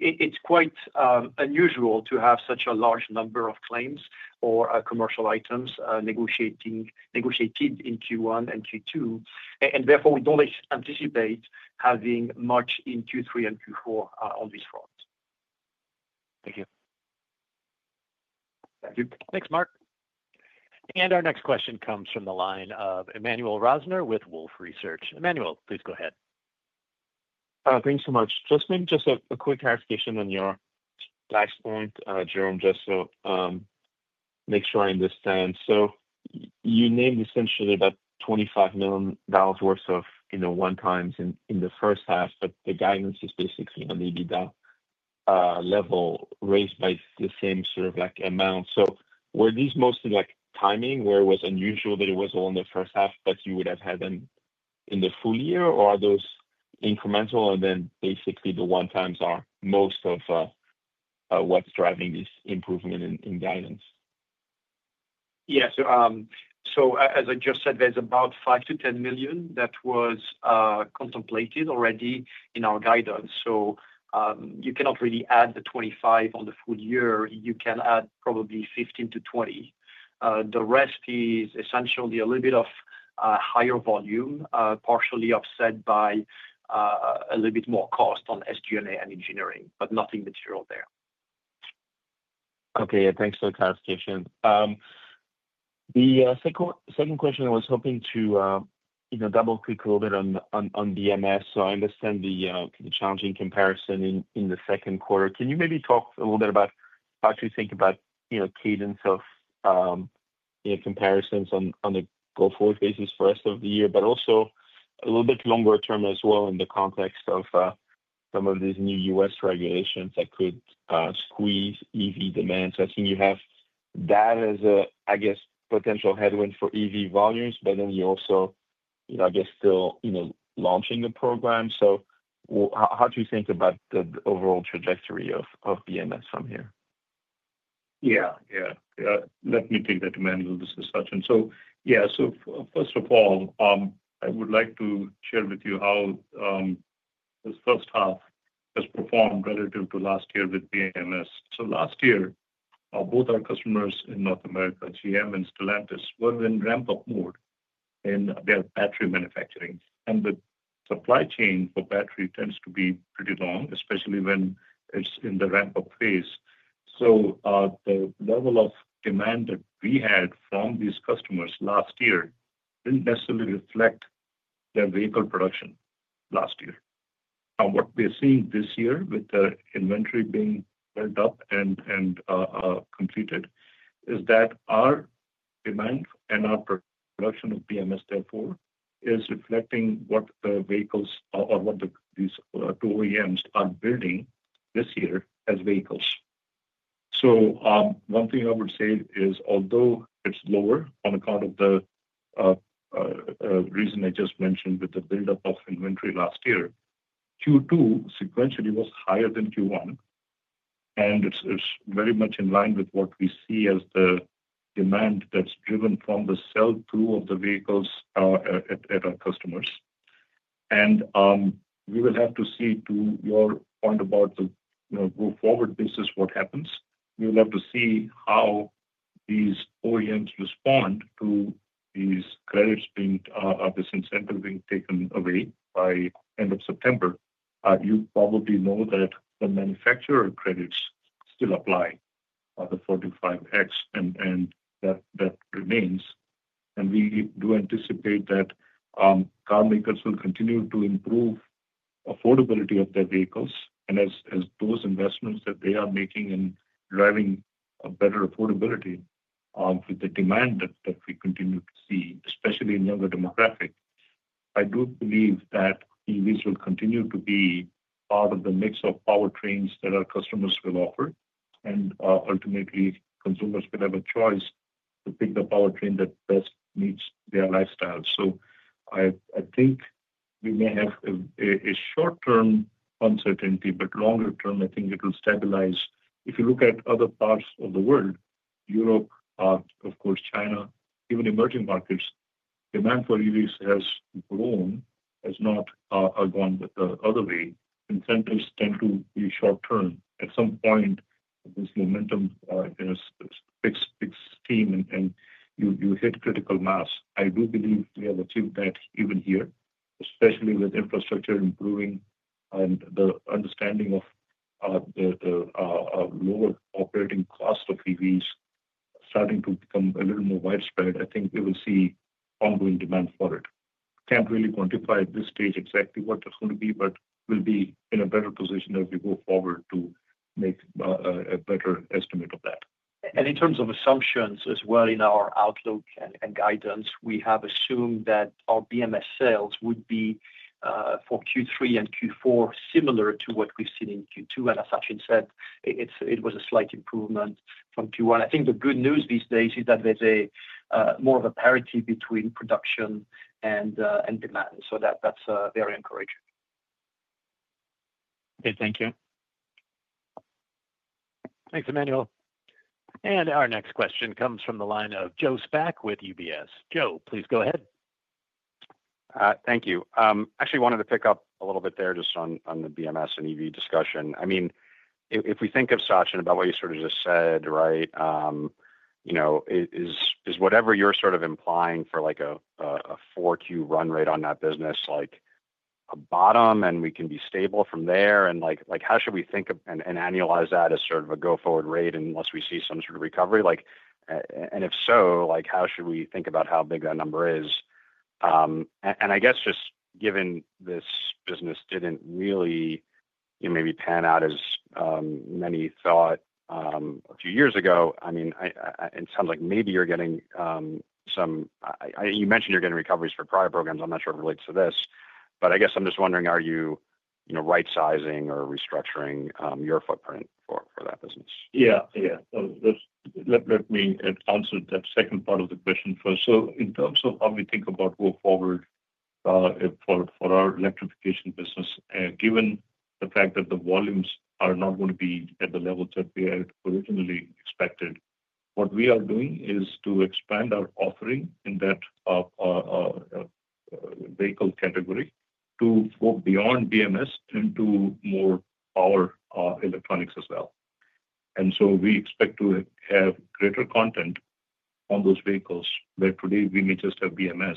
It's quite unusual to have such a large number of claims or commercial items negotiated in Q1 and Q2. And therefore, we don't anticipate having much in Q3 and Q4 on this front. Thank you. Thank you. Thanks, Mark. And our next question comes from the line of Emmanuel Rosner with Wolfe Research. Emmanuel, please go ahead. Thanks so much. Just maybe just a quick clarification on your last point, Jerome, just to make sure I understand. So you named essentially about $25,000,000 worth of in the one times in the first half, but the guidance is basically on the EBITDA level raised by the same sort of like amount. So were these mostly like timing where it was unusual that it was all in the first half, but you would have had them in the full year? Or are those incremental? And then basically the one times are most of what's driving this improvement in guidance? Yes. So as I just said, there's about 5,000,000 to €10,000,000 that was contemplated already in our guidance. So you cannot really add the 25,000,000 on the full year, you can add probably 15,000,000 to 20,000,000 The rest is essentially a little bit of higher volume, partially offset by a little bit more cost on SG and A and engineering, but nothing material there. Okay. Thanks for the clarification. The second question, I was hoping to double click a little bit on BMS. So I understand the challenging comparison in the second quarter. Can you maybe talk a little bit about how to think about cadence of comparisons on a go forward basis for the rest of the year, but also a little bit longer term as well in the context of some of these new U. S. Regulations that could squeeze EV demand. So I think you have that as, I guess, headwind for EV volumes, but then you also, I guess, still launching the program. So how do you think about the overall trajectory of BMS from here? Yes, yes. Let me take that to Manuul. This is Sachin. So yes, so first of all, I would like to share with you how, this first half has performed relative to last year with BMS. So last year, both our customers in North America, GM and Stellantis, were in ramp up mode in their battery manufacturing. And the supply chain for battery tends to be pretty long, especially when it's in the ramp up phase. So the level of demand that we had from these customers last year didn't necessarily reflect their vehicle production last year. Now what we are seeing this year with the inventory being built up and completed is that our demand and our production of BMS, therefore, is reflecting what the vehicles or what these two OEMs are building this year as vehicles. So one thing I would say is although it's lower on account of the reason I just mentioned with the buildup of inventory last year, Q2 sequentially was higher than Q1. And it's very much in line with what we see as the demand that's driven from the sell through of the vehicles at our customers. And we will have to see to your point about the go forward business what happens. We will have to see how these OEMs respond to these credits being this incentive being taken away by September, you probably know that the manufacturer credits still apply, the 45X, and that remains. And we do anticipate that carmakers will continue to improve affordability of their vehicles. And as those investments that they are making in driving a better affordability with the demand that we continue to see, especially in younger demographic, I do believe that this will continue to be part of the mix of powertrains that our customers will offer. And ultimately, consumers will have a choice to pick the powertrain that best meets their lifestyle. So I think we may have a short term uncertainty, but longer term, I think it will stabilize. If you look at other parts of the world, Europe, of course, China, even emerging markets, demand for EVs has grown, has not gone the other way and centers tend to be short term. At some point, this momentum is fixed team and you hit critical mass. I do believe we have achieved that even here, especially with infrastructure improving and the understanding of lower operating cost of EVs starting to become a little more widespread, I think we will see ongoing demand for it. Can't really quantify at this stage exactly what it's going to be, but we'll be in a better position as we go forward to make a better estimate of that. And in terms of assumptions as well in our outlook and guidance, we have assumed that our BMS sales would be for Q3 and Q4 similar to what we've seen in Q2. And as Sachin said, it was a slight improvement from Q1. I think the good news these days is that there's a more of a parity between production and demand. So that's very encouraging. Okay. Thank you. Thanks, Emmanuel. And our next question comes from the line of Joe Spak with UBS. Joe, please go ahead. Thank you. Actually wanted to pick up a little bit there just on the BMS and EV discussion. I mean, if we think of Sachin about what you sort of just said, right, is whatever you're sort of implying for like a 4Q run rate on that business like a bottom and we can be stable from there? And like how should we think of and annualize that as sort of a go forward rate unless we see some sort of recovery? Like and if so, like, how should we think about how big that number is? And and I guess just given this business didn't really, maybe pan out as many thought a few years ago, I mean, it sounds like maybe you're getting some you mentioned you're getting recoveries for prior programs. I'm not sure it relates to this. But I guess I'm just wondering, are rightsizing or restructuring your footprint for that business? Yes. Yes. Let me answer that second part of the question first. So in terms of how we think about move forward for our electrification business, given the fact that the volumes are not gonna be at the levels that we had originally expected, what we are doing is to expand our offering in that vehicle category to go beyond BMS into more power electronics as well. And so we expect to have greater content on those vehicles where today we may just have BMS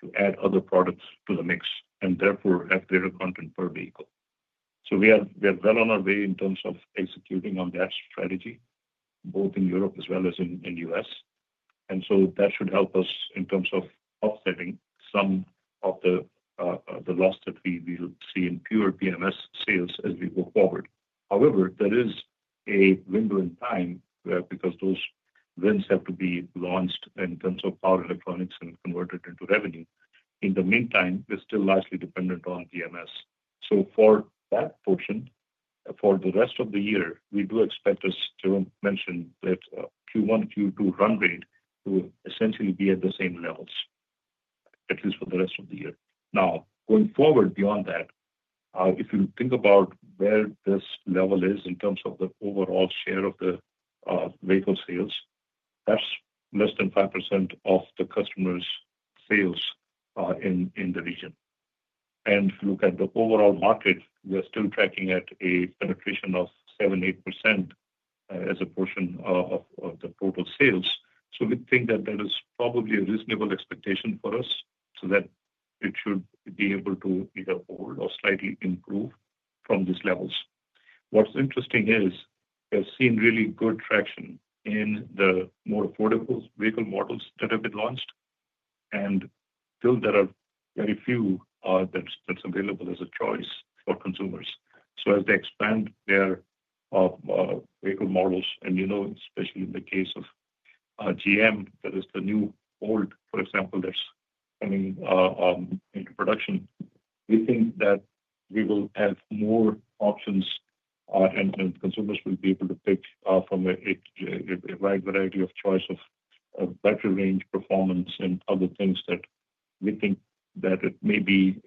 to add other products to the mix and therefore have better content per vehicle. So we are we are well on our way in terms of executing on that strategy, both in Europe as well as in in US. And so that should help us in terms of offsetting some of the loss that we will see in pure PMS sales as we go forward. However, there is a window in time where because those wins have to be launched in terms of power electronics and converted into revenue. In the meantime, it's still largely dependent on DMS. So for that portion, for the rest of the year, we do expect, as to mention that Q1, Q2 run rate will essentially be at the same levels, at least for the rest of the year. Now going forward beyond that, if you think about where this level is in terms of the overall share of the vehicle sales, that's less than 5% of the customers' sales in the region. And if you look at the overall market, we are still tracking at a penetration of 7%, 8% as a portion of of the total sales. So we think that that is probably a reasonable expectation for us so that it should be able to either hold or slightly improve from these levels. What's interesting is we've seen really good traction in the more affordable vehicle models that have been launched and still there are very few that's available as a choice for consumers. So as they expand their vehicle models and you know, especially in the case of GM, that is the new old, for example, that's coming into production. We think that we will have more options and consumers will be able to pick from a wide variety of choice of better range performance and other things that we think that it may be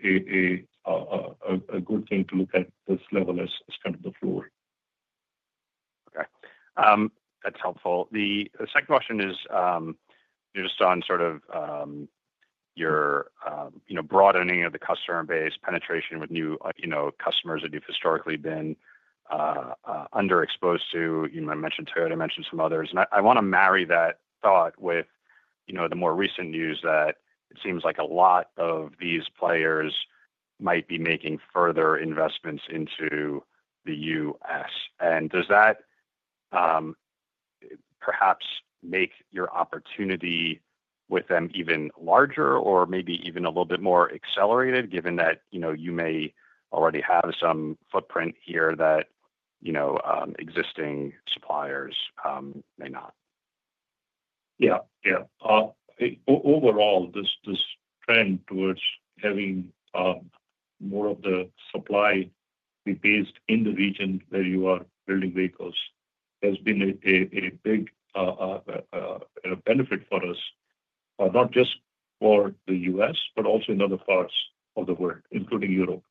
a good thing to look at this level as kind of the floor. Okay. That's helpful. The second question is just on sort of your broadening of the customer base penetration with new customers that you've historically been underexposed to. I mentioned Toyota, I mentioned some others. And I want to marry that thought with the more recent news that it seems like a lot of these players might be making further investments into The US. And does that perhaps make your opportunity with them even larger or maybe even a little bit more accelerated, given that, you know, you may already have some footprint here that existing suppliers may not? Yeah. Yeah. Overall, this trend towards having more of the supply be based in the region where you are building vehicles has been a a big benefit for us, not just for The US, but also in other parts of the world, including Europe.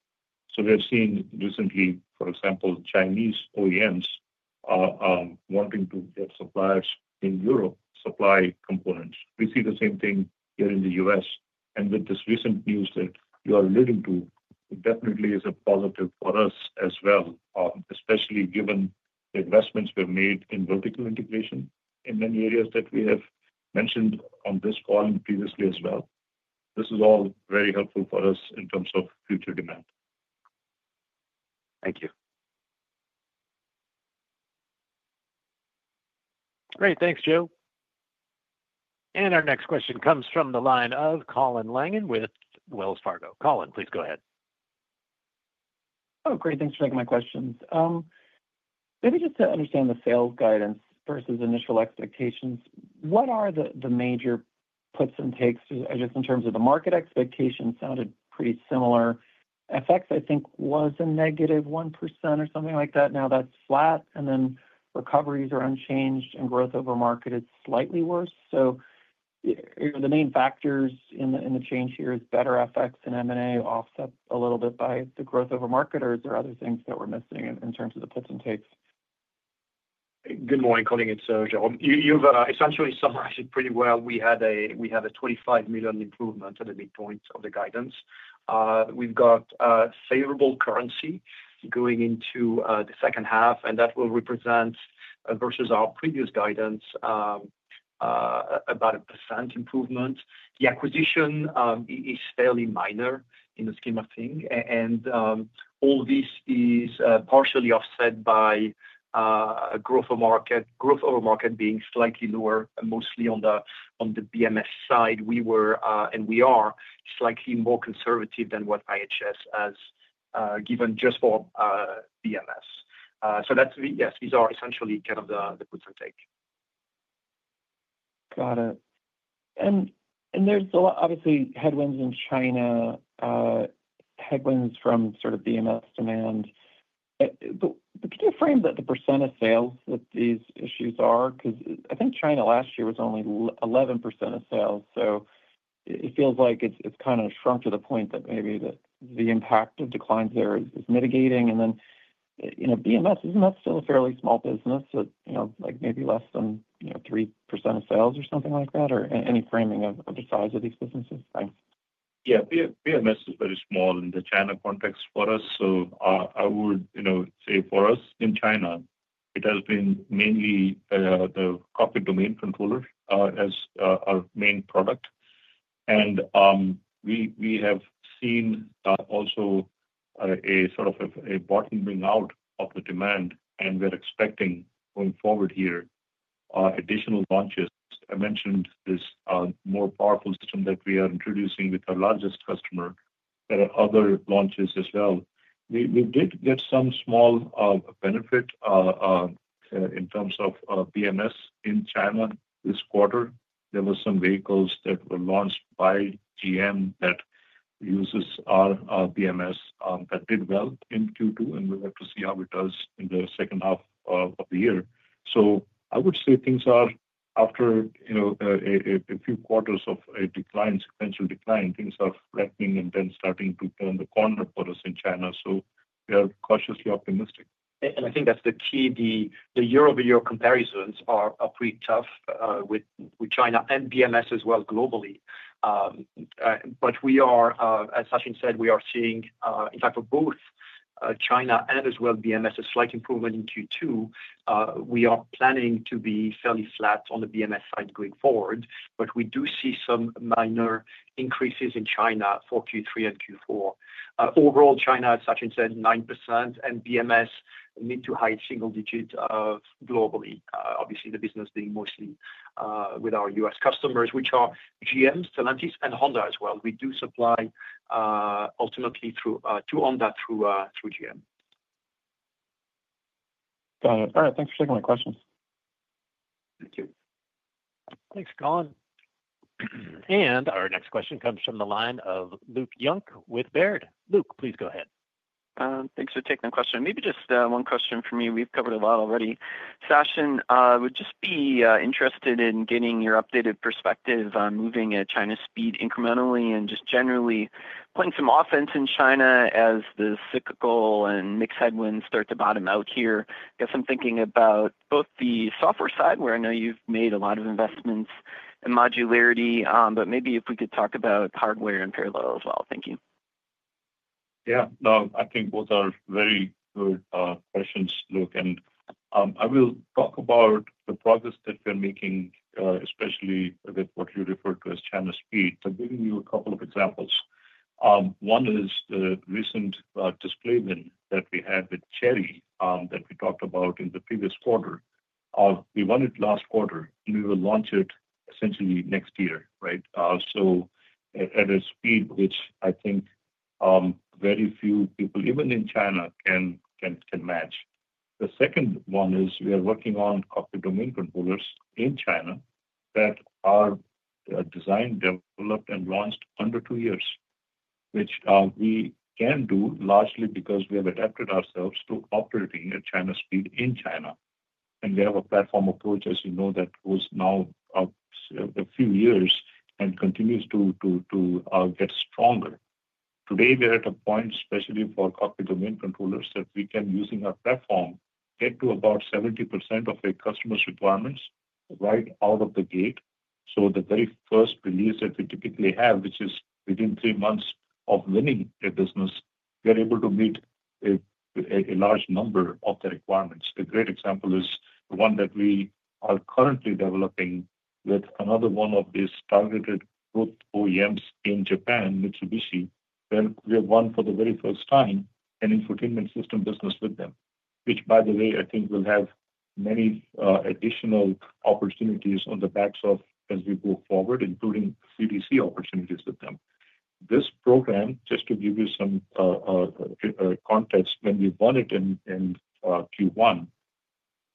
So we have seen recently, for example, Chinese OEMs wanting to get suppliers in Europe supply components. We see the same thing here in The US and with this recent news that you are leading to, it definitely is a positive for us as well, especially given the investments we have made in vertical integration in many areas that we have mentioned on this call and previously as well. This is all very helpful for us in terms of future demand. Thank you. Great. Thanks, Joe. And our next question comes from the line of Colin Langan with Wells Fargo. Colin, please go ahead. Great. Thanks for taking my questions. Maybe just to understand the sales guidance versus initial expectations, what are the major puts and takes just in terms of the market expectations? It sounded pretty similar. FX, I think, was a negative 1% or something like that. Now that's flat. And then recoveries are unchanged and growth over market is slightly worse. So the main factors in the change here is better FX and M and A offset a little bit by the growth over market? Or is there other things that we're missing in terms of the puts and takes? Morning, Colin. It's John. You've essentially summarized it pretty well. We had a €25,000,000 improvement at the midpoint of the guidance. We've got favorable currency going into the second half, and that will represent versus our previous guidance about 1% improvement. The acquisition is fairly minor in the scheme of things. And all this is partially offset by growth of market growth of market being slightly lower mostly on the BMS side. We were and we are slightly more conservative than what IHS has given just for BMS. So that's yes, these are essentially kind of the puts and takes. Got it. And there's obviously headwinds in China, headwinds from sort of BMS demand. But could you frame the percent of sales that these issues are? Because I think China last year was only 11% of sales. So it feels like it's kind of shrunk to the point that maybe the impact of declines there is mitigating. And then BMS, isn't that still a fairly small business, like maybe less than 3% of sales or something like that? Or any framing of the size of these businesses? Thanks. Yeah. BMS is very small in the China context for us. So would say for us in China, it has been mainly the copy domain controller as our main product. And we we have seen also a sort of a bottoming out of the demand, and we're expecting going forward here additional launches. I mentioned this more powerful system that we are introducing with our largest customer. There are other launches as well. We did get some small benefit in terms of BMS in China this quarter. There were some vehicles that were launched by GM that uses our BMS that did well in Q2 and we'd like to see how it does in the second half of the year. So I would say things are after a few quarters of a decline, sequential decline, things are flattening and then starting to turn the corner for us in China. So we are cautiously optimistic. And I think that's the key. The year over year comparisons are pretty tough with China and BMS as well globally. But we are as Sachin said, we are seeing in fact, for both China and as well BMS a slight improvement in Q2. We are planning to be fairly flat on the BMS side going forward, but we do see some minor increases in China for Q3 and Q4. Overall, China, Sachin said, 9% and BMS mid to high single digit globally. Obviously, the business being mostly with our U. S. Customers, which are GMs, Clematis and Honda as well. We do supply ultimately through to Honda through GM. Got it. All right. Thanks for taking my questions. Thank you. Thanks, Colin. And our next question comes from the line of Luke Junk with Baird. Luke, please go ahead. Thanks for taking the question. Maybe just one question for me. We've covered a lot already. Sachin, would just be interested in getting your updated perspective on moving at China's speed incrementally and just generally playing some offense in China as the cyclical and mix headwinds start to bottom out here. I guess I'm thinking about both the software side where I know you've made a lot of investments in modularity, but maybe if we could talk about hardware in parallel as well. Thank you. Yeah. No. I think both are very good questions, Luke. And I will talk about the progress that we're making, especially with what you referred to as channel speed. I'm giving you a couple of examples. One is the recent display win that we had with Cherry that we talked about in the previous quarter. We won it last quarter, and we will launch it essentially next year. Right? So at a speed which I think very few people even in China can can can match. The second one is we are working on cockpit domain controllers in China that are designed, developed, launched under two years, which we can do largely because we have adapted ourselves to operating at China speed in China. And we have a platform approach, as you know, that was now a few years and continues to to to get stronger. Today, we're at a point, especially for cockpit domain controllers, that we can, using our platform, get to about 70% of a customer's requirements right out of the gate. So the very first release that we typically have, which is within three months of winning a business, we are able to meet a large number of the requirements. A great example is the one that we are currently developing with another one of these targeted growth OEMs in Japan, Mitsubishi, where we have won for the very first time an infotainment system business with them, which by the way, I think will have many additional opportunities on the backs of as we move forward, including CDC opportunities with them. This program, just to give you some context, when we won it in Q1,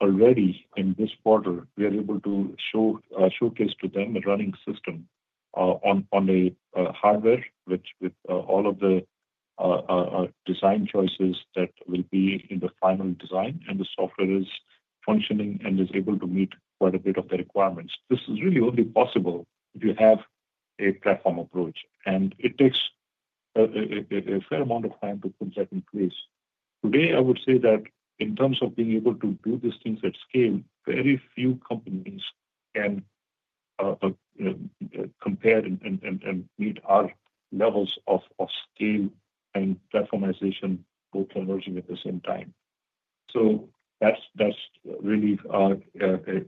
already in this quarter, we are able to showcase to them a running system on on a hardware, which with all of the design choices that will be in the final design, and the software is functioning and is able to meet quite a bit of the requirements. This is really only possible if you have a platform approach, and it takes a fair amount of time to put that in place. Today, I would say that in terms of being able to do these things at scale, very few companies can compare and and and meet our levels of of scale and platformization both emerging at the same time. So that's that's really a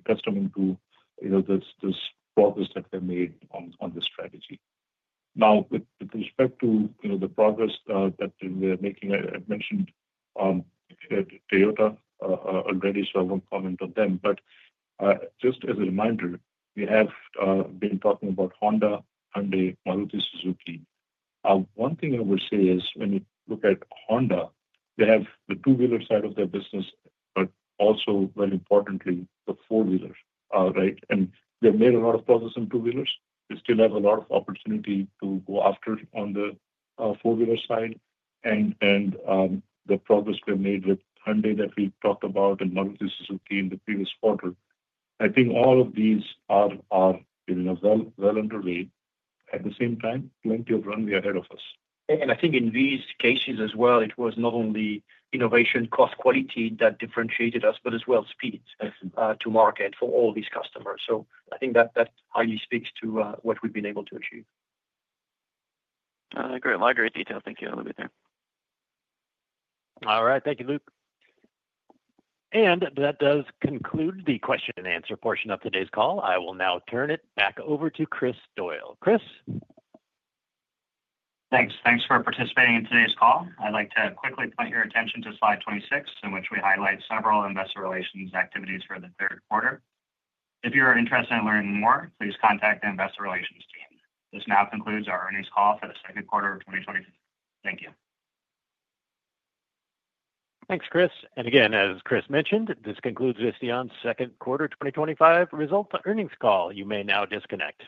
testament to, this progress that we've made on the strategy. Now with respect to the progress that we are making, I mentioned Toyota already, so I won't comment on them. But just as a reminder, we have been talking about Honda and the one of the Suzuki. One thing I would say is when you look at Honda, they have the two wheeler side of their business, but also very importantly, the four wheeler. Right? And they made a lot of progress in two wheelers. They still have a lot of opportunity to go after on the four wheeler side and and the progress we've made with Hyundai that we talked about and one of the Suzuki in the previous quarter. I think all of these are well underway. At the same time, plenty of runway ahead of us. And I think in these cases as well, it was not only innovation cost quality that differentiated us, but as well speed to market for all these customers. So I think that highly speaks to what we've been able to achieve. Right. Great detail. Thank you. I'll leave it there. All right. Thank you, Luke. And that does conclude the question and answer portion of today's call. I will now turn it back over to Chris Doyle. Chris? Thanks. Thanks for participating in today's call. I'd like to quickly point your attention to Slide 26 in which we highlight several Investor Relations activities for the third quarter. If you are interested in learning more, please contact the Investor Relations team. This now concludes our earnings call for the second quarter of twenty twenty. Thank you. Thanks, Chris. And again, as Chris mentioned, this concludes Visteon's second quarter twenty twenty five results earnings call. You may now disconnect.